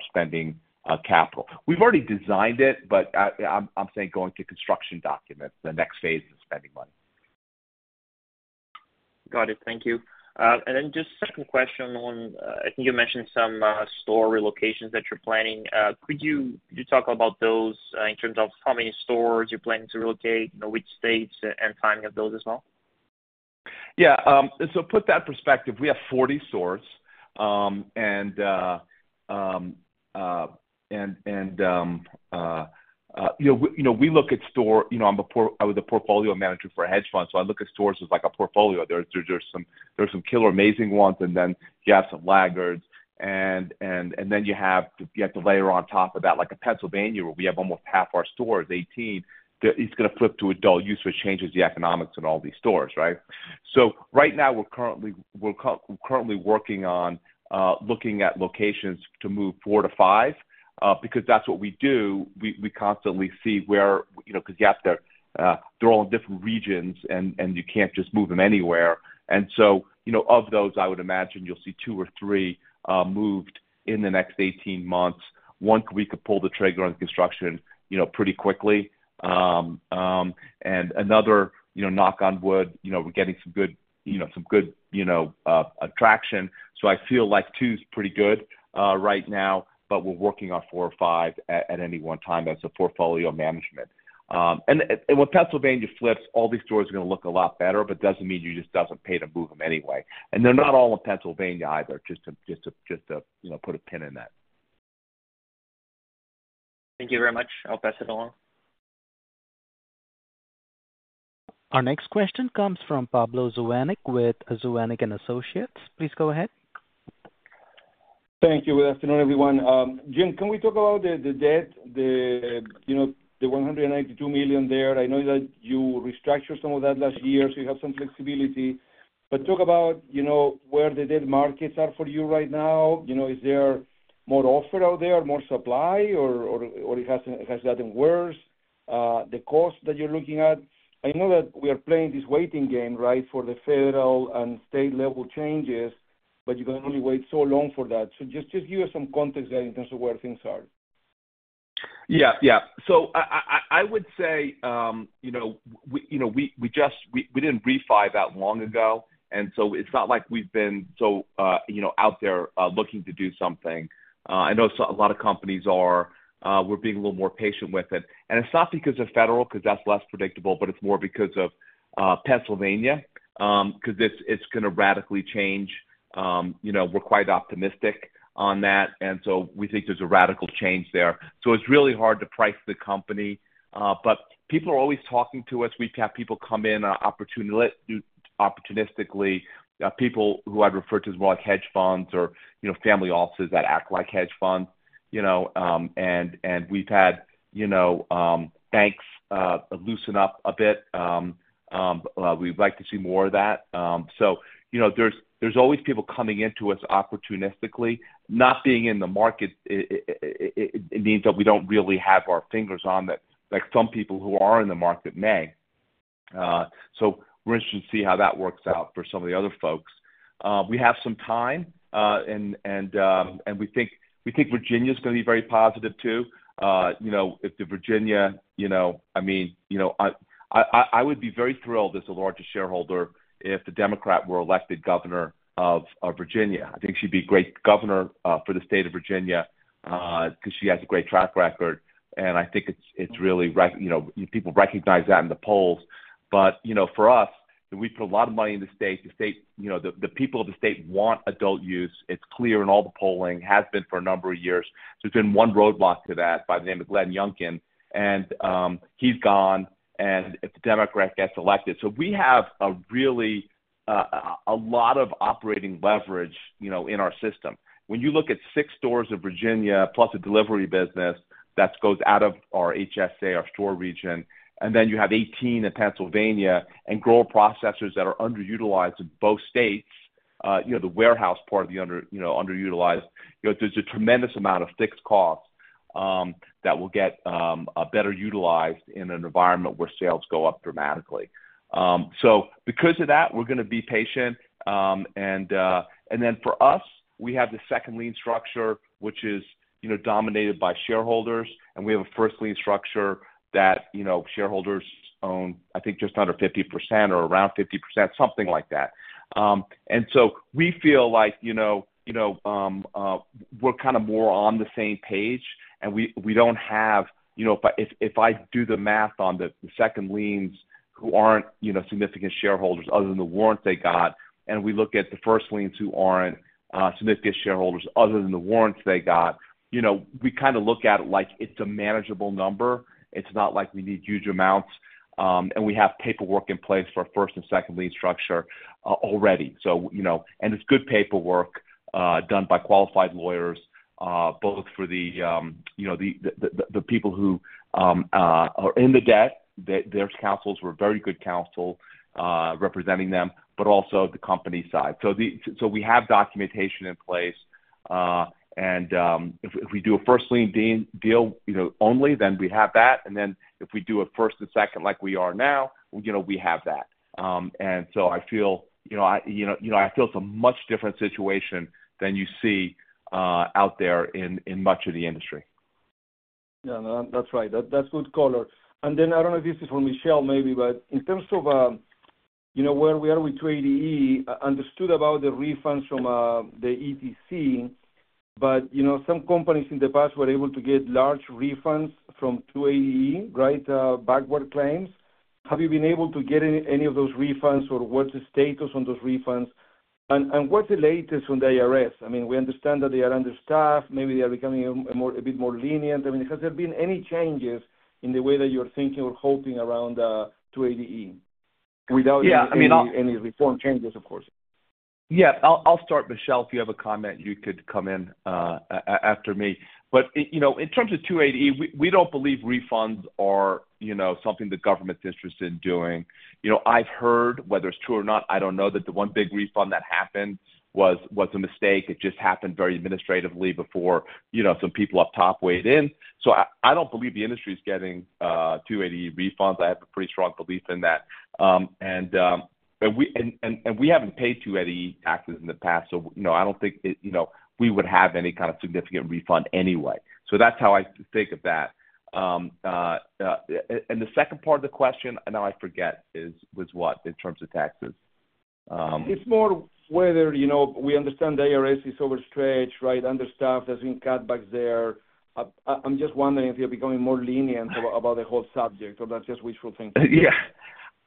spending capital. We've already designed it, but I'm saying going through construction documents, the next phase is spending money. Got it. Thank you. Just a second question on, I think you mentioned some store relocations that you're planning. Could you talk about those in terms of how many stores you're planning to relocate, which states, and timing of those as well? Yeah, to put that in perspective, we have 40 stores. We look at stores, you know, I'm the portfolio manager for a hedge fund, so I look at stores as like a portfolio. There are some killer amazing ones, and then you have some laggards. You have to layer on top of that a place like Pennsylvania, where we have almost half our stores, 18. It's going to flip to adult use as it changes the economics in all these stores, right? Right now we're currently working on looking at locations to move four to five because that's what we do. We constantly see where, you know, because you have to, they're all in different regions and you can't just move them anywhere. Of those, I would imagine you'll see two or three moved in the next 18 months. One, we could pull the trigger on construction pretty quickly. Another, knock on wood, we're getting some good traction. I feel like two's pretty good right now, but we're working on four or five at any one time as a portfolio management. When Pennsylvania flips, all these stores are going to look a lot better, but it doesn't mean you just don't pay to move them anyway. They're not all in Pennsylvania either, just to put a pin in that. Thank you very much. I'll pass it along. Our next question comes from Pablo Zuanic with Zuanic & Associates. Please go ahead. Thank you. Good afternoon, everyone. Jim, can we talk about the debt, the $192 million there? I know that you restructured some of that last year, so you have some flexibility. Talk about where the debt markets are for you right now. Is there more offer out there, more supply, or has it gotten worse? The cost that you're looking at, I know that we are playing this waiting game, right, for the federal and state-level changes, but you can only wait so long for that. Just give us some context there in terms of where things are. Yeah, yeah. I would say, you know, we just, we didn't refi that long ago. It's not like we've been so out there looking to do something. I know a lot of companies are. We're being a little more patient with it. It's not because of federal, because that's less predictable, but it's more because of Pennsylvania, because it's going to radically change. We're quite optimistic on that. We think there's a radical change there. It's really hard to price the company. People are always talking to us. We've had people come in opportunistically, people who I'd refer to as more like hedge funds or family offices that act like hedge funds. We've had banks loosen up a bit. We'd like to see more of that. There's always people coming into us opportunistically. Not being in the market means that we don't really have our fingers on it like some people who are in the market may. We're interested to see how that works out for some of the other folks. We have some time, and we think Virginia is going to be very positive too. If the Virginia, I mean, I would be very thrilled as a larger shareholder if the Democrat were elected governor of Virginia. I think she'd be a great governor for the state of Virginia because she has a great track record. I think it's really, people recognize that in the polls. For us, we put a lot of money in the state. The state, the people of the state want adult use. It's clear in all the polling, has been for a number of years. There's been one roadblock to that by the name of Glenn Youngkin, and he's gone. If the Democrat gets elected, we have a lot of operating leverage in our system. When you look at six stores in Virginia, plus a delivery business that goes out of our HSA, our store region, and then you have 18 in Pennsylvania and grower processors that are underutilized in both states, the warehouse part of the underutilized. There's a tremendous amount of fixed costs that will get better utilized in an environment where sales go up dramatically. Because of that, we're going to be patient. For us, we have the second lien structure, which is dominated by shareholders. We have a first lien structure that shareholders own, I think, just under 50% or around 50%, something like that. We feel like we're kind of more on the same page. We don't have, if I do the math on the second liens who aren't significant shareholders other than the warrants they got, and we look at the first liens who aren't significant shareholders other than the warrants they got, we kind of look at it like it's a manageable number. It's not like we need huge amounts. We have paperwork in place for our first and second lien structure already. It's good paperwork done by qualified lawyers, both for the people who are in the debt. Their counsels were very good counsel representing them, but also the company side. We have documentation in place. If we do a first lien deal only, then we have that. If we do a first and second like we are now, we have that. I feel it's a much different situation than you see out there in much of the industry. Yeah, that's right. That's a good caller. I don't know if this is for Michelle maybe, but in terms of where we are with 280E, I understood about the refunds from the EBC. Some companies in the past were able to get large refunds from 280E, right, backward claims. Have you been able to get any of those refunds or what's the status on those refunds? What's the latest on the IRS? I mean, we understand that they are understaffed. Maybe they are becoming a bit more lenient. I mean, has there been any changes in the way that you're thinking or hoping around 280E without any reform changes, of course? Yeah, I'll start. Michelle, if you have a comment, you could come in after me. In terms of 280E, we don't believe refunds are something the government's interested in doing. I've heard, whether it's true or not, I don't know, that the one big refund that happened was a mistake. It just happened very administratively before some people up top weighed in. I don't believe the industry is getting 280E refunds. I have a pretty strong belief in that. We haven't paid 280E taxes in the past. I don't think we would have any kind of significant refund anyway. That's how I think of that. The second part of the question, now I forget, was what in terms of taxes? It's more whether, you know, we understand the IRS is overstretched, right, understaffed. There have been cutbacks there. I'm just wondering if you're becoming more lenient about the whole subject or not, just wishful thinking. Yeah,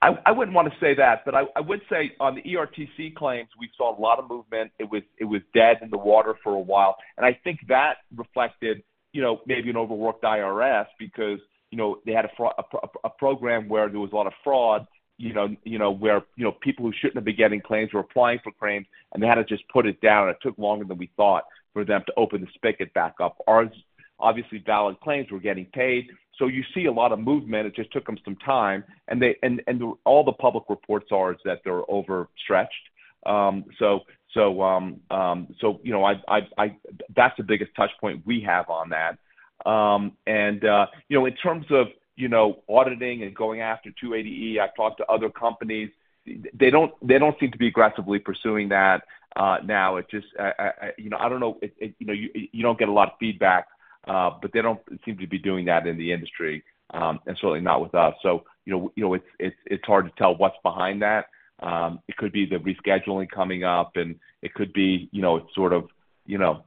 I wouldn't want to say that, but I would say on the ERTC claims, we saw a lot of movement. It was dead in the water for a while. I think that reflected, you know, maybe an overworked IRS because they had a program where there was a lot of fraud, where people who shouldn't have been getting claims were applying for claims, and they had to just put it down. It took longer than we thought for them to open the spigot back up. Ours, obviously valid claims, were getting paid. You see a lot of movement. It just took them some time. All the public reports are that they're overstretched. That's the biggest touchpoint we have on that. In terms of auditing and going after 280E, I've talked to other companies. They don't seem to be aggressively pursuing that now. I don't know if, you know, you don't get a lot of feedback, but they don't seem to be doing that in the industry and certainly not with us. It's hard to tell what's behind that. It could be the rescheduling coming up, and it could be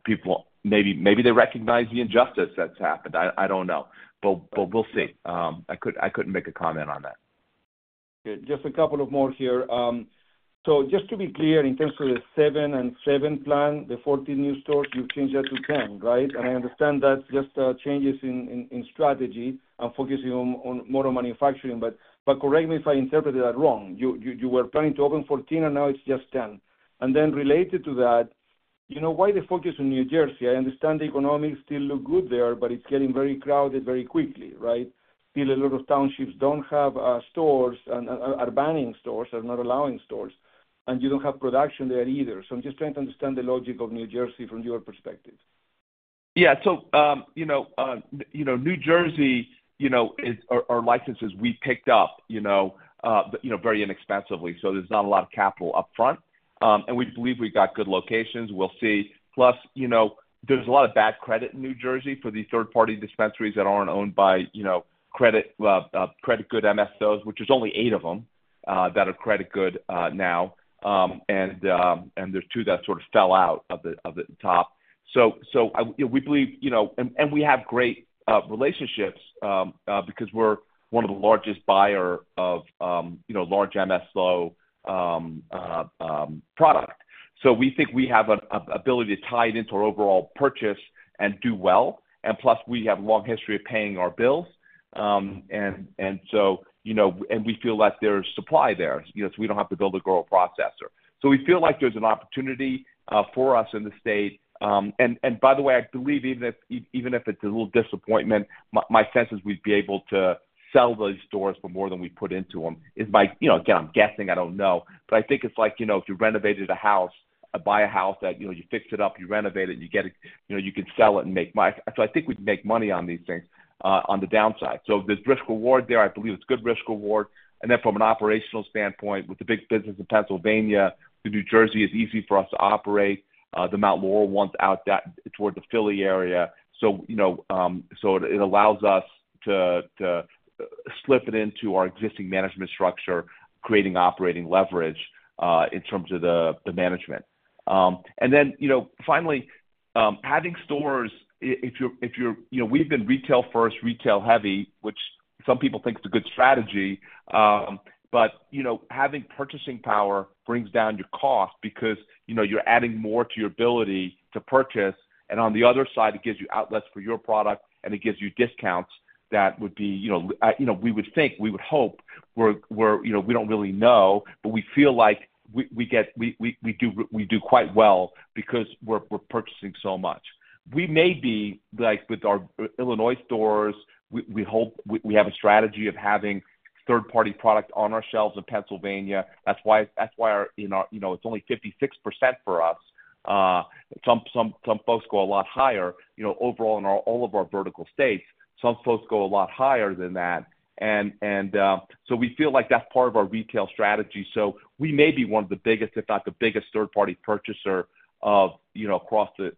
people, maybe they recognize the injustice that's happened. I don't know. We'll see. I couldn't make a comment on that. Just a couple more here. Just to be clear, in terms of the 7 and 7 plan, the 14 new stores, you've changed that to 10, right? I understand that's just changes in strategy and focusing on more manufacturing. Correct me if I interpreted that wrong. You were planning to open 14, and now it's just 10. Related to that, why the focus on New Jersey? I understand the economics still look good there, but it's getting very crowded very quickly, right? Still, a lot of townships don't have stores and are banning stores, are not allowing stores. You don't have production there either. I'm just trying to understand the logic of New Jersey from your perspective. Yeah, New Jersey, our licenses we picked up very inexpensively. There's not a lot of capital up front, and we believe we got good locations. We'll see. Plus, there's a lot of bad credit in New Jersey for these third-party dispensaries that aren't owned by credit good MSOs, which is only eight of them that are credit good now. There's two that sort of fell out of the top. We believe, and we have great relationships because we're one of the largest buyers of large MSO product. We think we have an ability to tie it into our overall purchase and do well. Plus, we have a long history of paying our bills, and we feel that there's supply there. We don't have to build a grower processor, so we feel like there's an opportunity for us in the state. By the way, I believe even if it's a little disappointment, my sense is we'd be able to sell those stores for more than we put into them. It might, again, I'm guessing, I don't know. I think it's like if you renovated a house, buy a house that you fix it up, you renovate it, and you get it, you could sell it and make money. I think we'd make money on these things on the downside. There's risk-reward there. I believe it's good risk-reward. From an operational standpoint, with the big business in Pennsylvania, New Jersey is easy for us to operate. The Mount Laurel one's out toward the Philly area, so it allows us to slip it into our existing management structure, creating operating leverage in terms of the management. Finally, having stores, if you're, we've been retail-first, retail-heavy, which some people think is a good strategy. Having purchasing power brings down your cost because you're adding more to your ability to purchase. On the other side, it gives you outlets for your product, and it gives you discounts that would be, we would think, we would hope, we don't really know, but we feel like we get, we do, we do quite well because we're purchasing so much. We may be, like with our Illinois stores, we hope we have a strategy of having third-party product on our shelves in Pennsylvania. That's why it's only 56% for us. Some folks go a lot higher, you know, overall in all of our vertical states. Some folks go a lot higher than that. We feel like that's part of our retail strategy. We may be one of the biggest, if not the biggest, third-party purchaser, you know, across the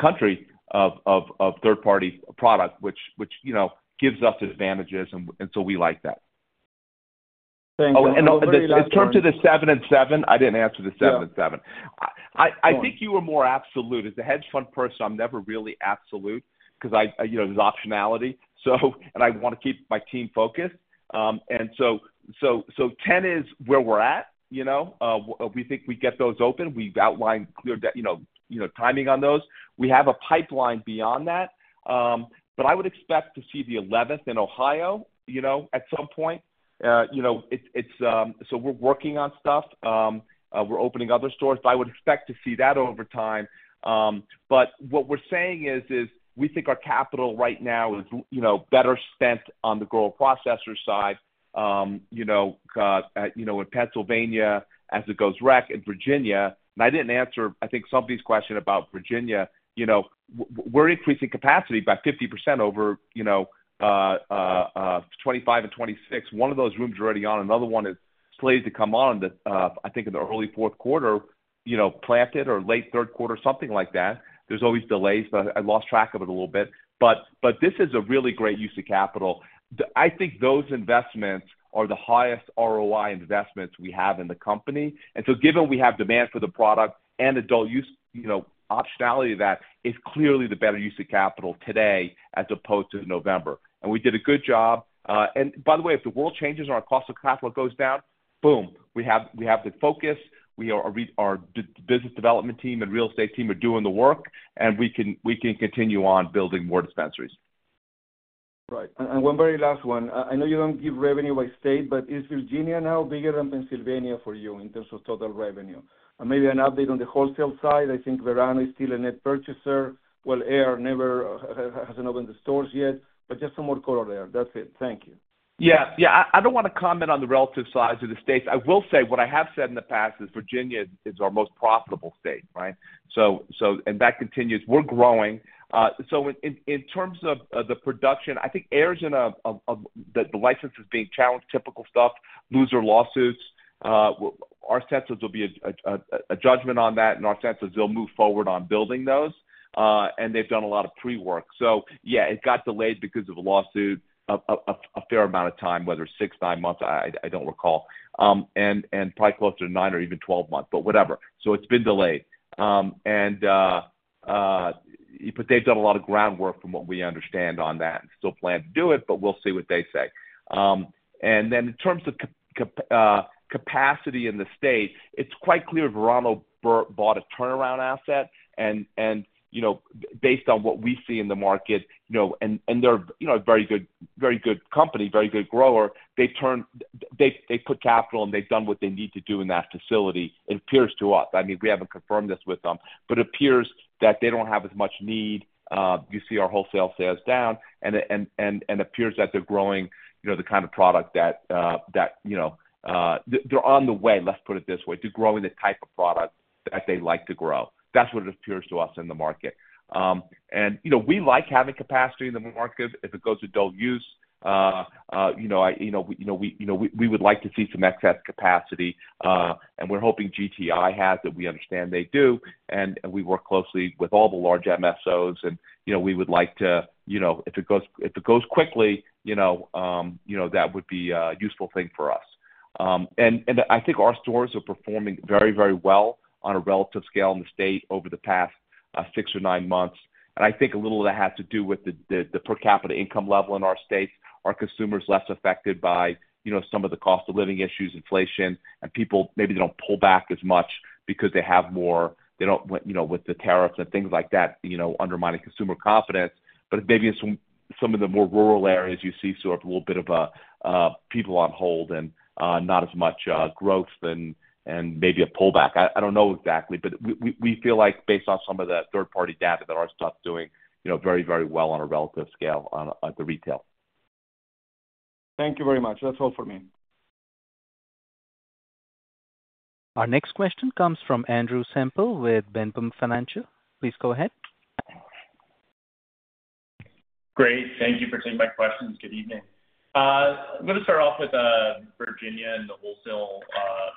country of third-party product, which gives us advantages. We like that. Thank you. Oh, in terms of the 7 and 7, I did not answer the seven and seven. I think you were more absolute. As the hedge fund person, I am never really absolute because there is optionality. I want to keep my team focused. Ten is where we are at. We think we get those open. We have outlined timing on those. We have a pipeline beyond that. I would expect to see the 11th in Ohio at some point. We are working on stuff. We are opening other stores. I would expect to see that over time. What we are saying is we think our capital right now is better spent on the grower processor side in Pennsylvania as it goes rec in Virginia. I did not answer, I think, somebody's question about Virginia. We are increasing capacity by 50% over 2025 and 2026. One of those rooms is already on. Another one is slated to come on, I think, in the early fourth quarter, planted or late third quarter, something like that. There are always delays, but I lost track of it a little bit. This is a really great use of capital. I think those investments are the highest ROI investments we have in the company. Given we have demand for the product and adult use, the optionality of that is clearly the better use of capital today as opposed to November. We did a good job. By the way, if the world changes and our cost of capital goes down, boom, we have the focus. Our business development team and real estate team are doing the work, and we can continue on building more dispensaries. Right. One very last one. I know you don't give revenue by state, but is Virginia now bigger than Pennsylvania for you in terms of total revenue? Maybe an update on the wholesale side. I think Verano is still a net purchaser. Air never hasn't opened the stores yet, just some more color there. That's it. Thank you. Yeah, I don't want to comment on the relative size of the states. I will say what I have said in the past is Virginia is our most profitable state, right? That continues. We're growing. In terms of the production, I think Air's in a, the license is being challenged, typical stuff, loser lawsuits. Our sense is there will be a judgment on that, and our sense is we will move forward on building those. They've done a lot of pre-work. It got delayed because of a lawsuit a fair amount of time, whether six, nine months, I don't recall. Probably closer to nine or even 12 months, but whatever. It's been delayed. They've done a lot of groundwork from what we understand on that and still plan to do it. We'll see what they say. In terms of capacity in the state, it's quite clear Verano bought a turnaround asset. Based on what we see in the market, they're a very good company, very good grower. They've put capital in and they've done what they need to do in that facility. It appears to us, I mean, we haven't confirmed this with them, but it appears that they don't have as much need. You see our wholesale sales down, and it appears that they're growing the kind of product that they're on the way, let's put it this way, to growing the type of product that they like to grow. That's what it appears to us in the market. We like having capacity in the market if it goes adult use. We would like to see some excess capacity. We're hoping GTI has it. We understand they do. We work closely with all the large MSOs. We would like to, if it goes quickly, that would be a useful thing for us. I think our stores are performing very, very well on a relative scale in the state over the past six or nine months. I think a little of that has to do with the per capita income level in our states. Our consumers are less affected by some of the cost of living issues, inflation, and people maybe don't pull back as much because they have more, they don't, with the tariffs and things like that, undermining consumer confidence. Maybe in some of the more rural areas, you see sort of a little bit of people on hold and not as much growth and maybe a pullback. I don't know exactly, but we feel like based on some of the third-party data that our stuff's doing very, very well on a relative scale on the retail. Thank you very much. That's all for me. Our next question comes from Andrew Semple with Ventum Financial. Please go ahead. Great. Thank you for taking my questions. Good evening. I'm going to start off with Virginia and the wholesale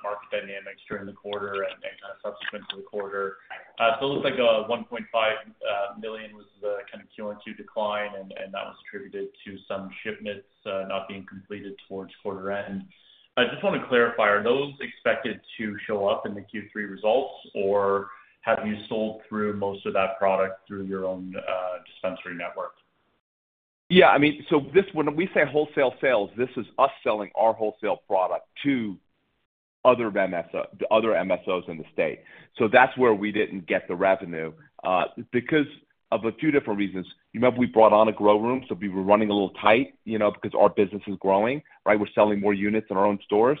market dynamics during the quarter and kind of subsequent to the quarter. It looks like $1.5 million was the kind of Q-on-Q decline, and that was attributed to some shipments not being completed towards quarter end. I just want to clarify, are those expected to show up in the Q3 results, or have you sold through most of that product through your own dispensary network? Yeah, I mean, when we say wholesale sales, this is us selling our wholesale product to other MSOs in the state. That's where we didn't get the revenue because of a few different reasons. You remember we brought on a grow room, so we were running a little tight, you know, because our business is growing, right? We're selling more units in our own stores.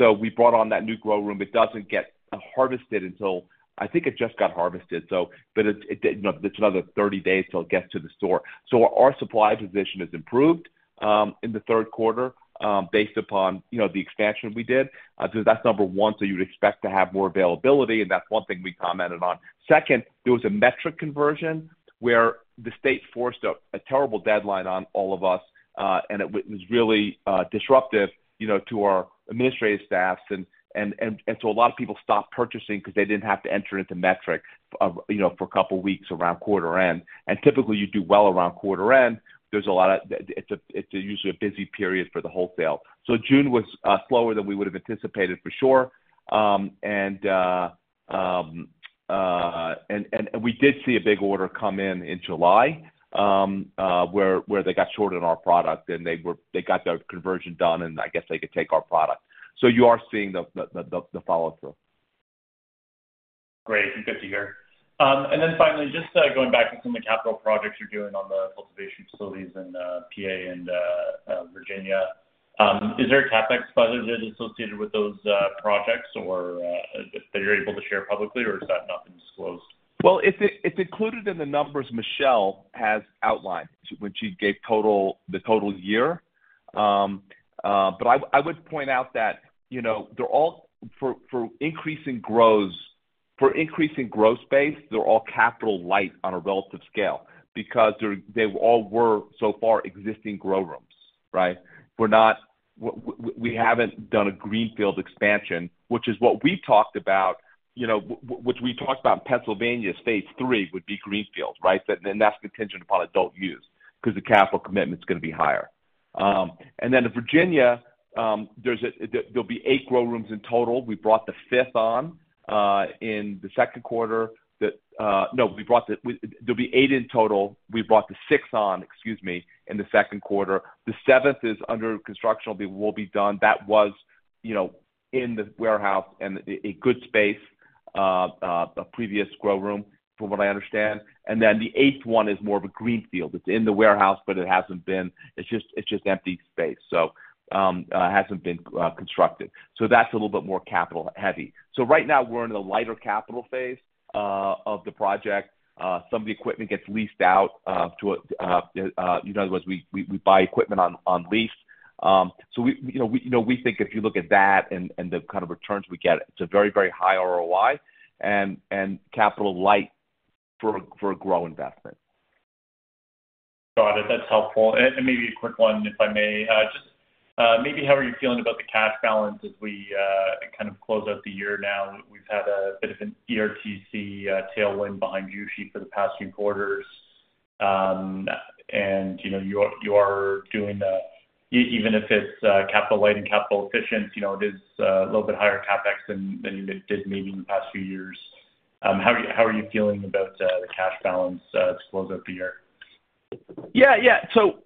We brought on that new grow room. It doesn't get harvested until, I think it just got harvested. It's another 30 days till it gets to the store. Our supply position has improved in the third quarter based upon the expansion we did. That's number one. You would expect to have more availability, and that's one thing we commented on. Second, there was a metric conversion where the state forced a terrible deadline on all of us, and it was really disruptive to our administrative staffs. A lot of people stopped purchasing because they didn't have to enter into metric for a couple of weeks around quarter end. Typically, you do well around quarter end. It's usually a busy period for the wholesale. June was slower than we would have anticipated for sure. We did see a big order come in in July where they got short on our product, and they got the conversion done, and I guess they could take our product. You are seeing the follow-through. Great. Good to hear. Finally, just going back to some of the capital projects you're doing on the cultivation facilities in Pennsylvania and Virginia, is there a CapEx budget associated with those projects that you're able to share publicly, or has that not been disclosed? It's included in the numbers Michelle has outlined when she gave the total year. I would point out that they're all for increasing growth space, they're all capital light on a relative scale because they all were so far existing grow rooms, right? We haven't done a greenfield expansion, which is what we talked about in Pennsylvania, phase III would be greenfield, right? That's contingent upon adult use because the capital commitment's going to be higher. In Virginia, there'll be eight grow rooms in total. We brought the fifth on in the second quarter. No, there'll be eight in total. We brought the sixth on, excuse me, in the second quarter. The seventh is under construction, will be done. That was in the warehouse and a good space, a previous grow room from what I understand. The eighth one is more of a greenfield. It's in the warehouse, but it hasn't been, it's just empty base. It hasn't been constructed. That's a little bit more capital heavy. Right now we're in the lighter capital phase of the project. Some of the equipment gets leased out. In other words, we buy equipment on lease. We think if you look at that and the kind of returns we get, it's a very, very high ROI and capital light for a grow investment. Got it. That's helpful. Maybe a quick one, if I may, just maybe how are you feeling about the cash balance as we kind of close out the year now? We've had a bit of an employee retention credit tailwind behind you for the past three quarters, and you know, you are doing, even if it's capital light and capital efficient, it is a little bit higher CapEx than you did maybe in the past few years. How are you feeling about the cash balance to close out the year? Yeah, yeah.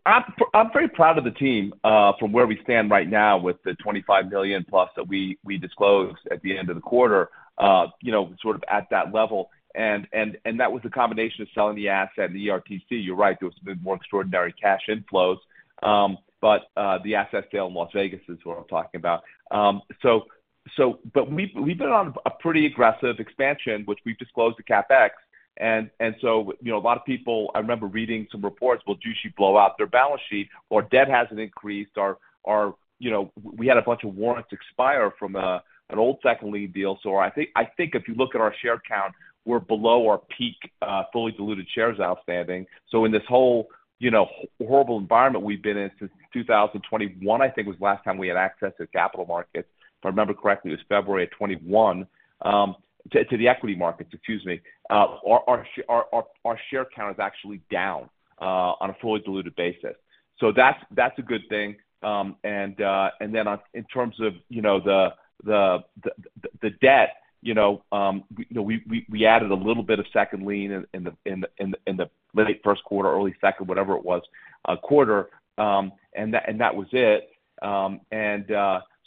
I'm very proud of the team, from where we stand right now with the $25+ million that we disclosed at the end of the quarter, you know, sort of at that level. That was the combination of selling the asset and the ERTC. You're right, there was a bit more extraordinary cash inflows, but the asset sale in Las Vegas is what I'm talking about. We've been on a pretty aggressive expansion, which we've disclosed the CapEx. A lot of people, I remember reading some reports, well, did Jushi blow out their balance sheet or debt hasn't increased? We had a bunch of warrants expire from an old second lien deal. I think if you look at our share count, we're below our peak, fully diluted shares outstanding. In this whole, you know, horrible environment we've been in since 2021, I think was the last time we had access to capital markets. If I remember correctly, it was February of 2021 to the equity markets, excuse me, our share count is actually down, on a fully diluted basis. That's a good thing. In terms of the debt, we added a little bit of second lien in the late first quarter, early second quarter, whatever it was. That was it.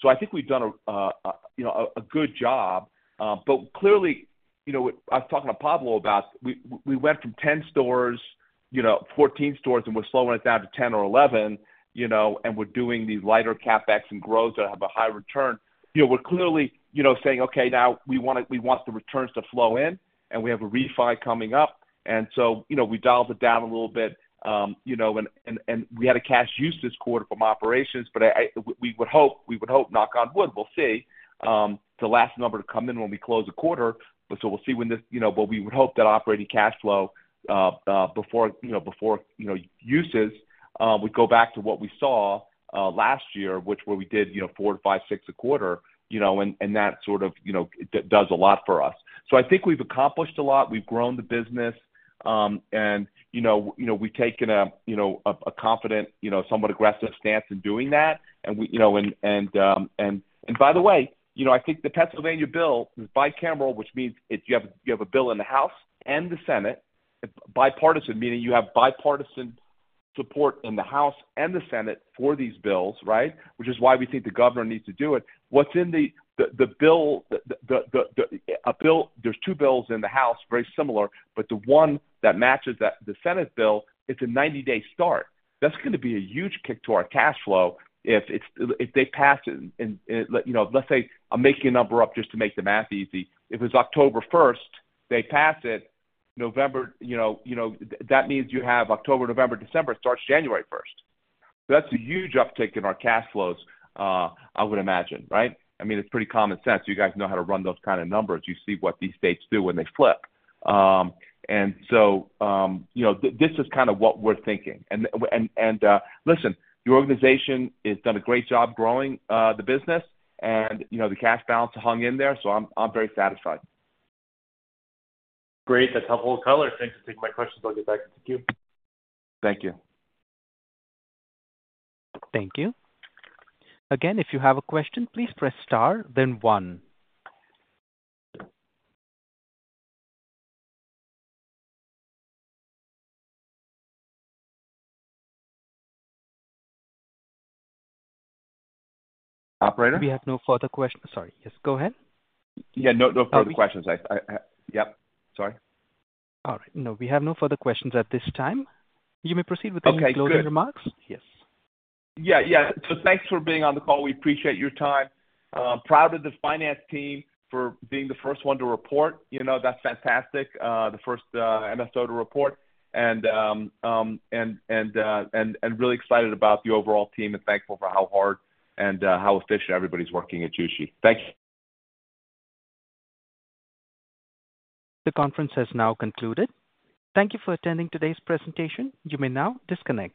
I think we've done a good job. Clearly, I was talking to Pablo about, we went from 10 stores, 14 stores, and we're slowing it down to 10 or 11, and we're doing these lighter CapEx and growth that have a high return. We're clearly saying, okay, now we want the returns to flow in and we have a ReFi coming up. We dialed it down a little bit, and we had a cash use this quarter from operations, but we would hope, knock on wood, we'll see, the last number to come in when we close the quarter. We'll see when this, what we would hope that operating cash flow, before uses, we go back to what we saw last year, which where we did four to five, six a quarter, and that sort of does a lot for us. I think we've accomplished a lot. We've grown the business. We've taken a confident, somewhat aggressive stance in doing that. I think the Pennsylvania bill is bicameral, which means you have a bill in the House and the Senate, bipartisan, meaning you have bipartisan support in the House and the Senate for these bills, right? Which is why we think the governor needs to do it. What's in the bill, there's two bills in the House, very similar, but the one that matches the Senate bill, it's a 90-day start. That's going to be a huge kick to our cash flow if they pass it. Let's say I'm making a number up just to make the math easy. If it was October 1st, they pass it, November, that means you have October, November, December, it starts January 1st. That's a huge uptick in our cash flows, I would imagine, right? I mean, it's pretty common sense. You guys know how to run those kinds of numbers. You see what these states do when they flip. This is kind of what we're thinking. Listen, the organization has done a great job growing the business and the cash balance hung in there. So I'm very satisfied. Great. That's helpful. Thanks for taking my questions. I'll get back to you. Thank you. Thank you. Again, if you have a question, please press star, then one. Operator? We have no further questions. Yes, go ahead. No further questions. Sorry. All right. No, we have no further questions at this time. You may proceed with any closing remarks. Yes. Yeah, yeah. Thanks for being on the call. We appreciate your time. Proud of the finance team for being the first one to report. That's fantastic, the first MSO to report. Really excited about the overall team and thankful for how hard and how efficient everybody's working at Jushi. Thanks. The conference has now concluded. Thank you for attending today's presentation. You may now disconnect.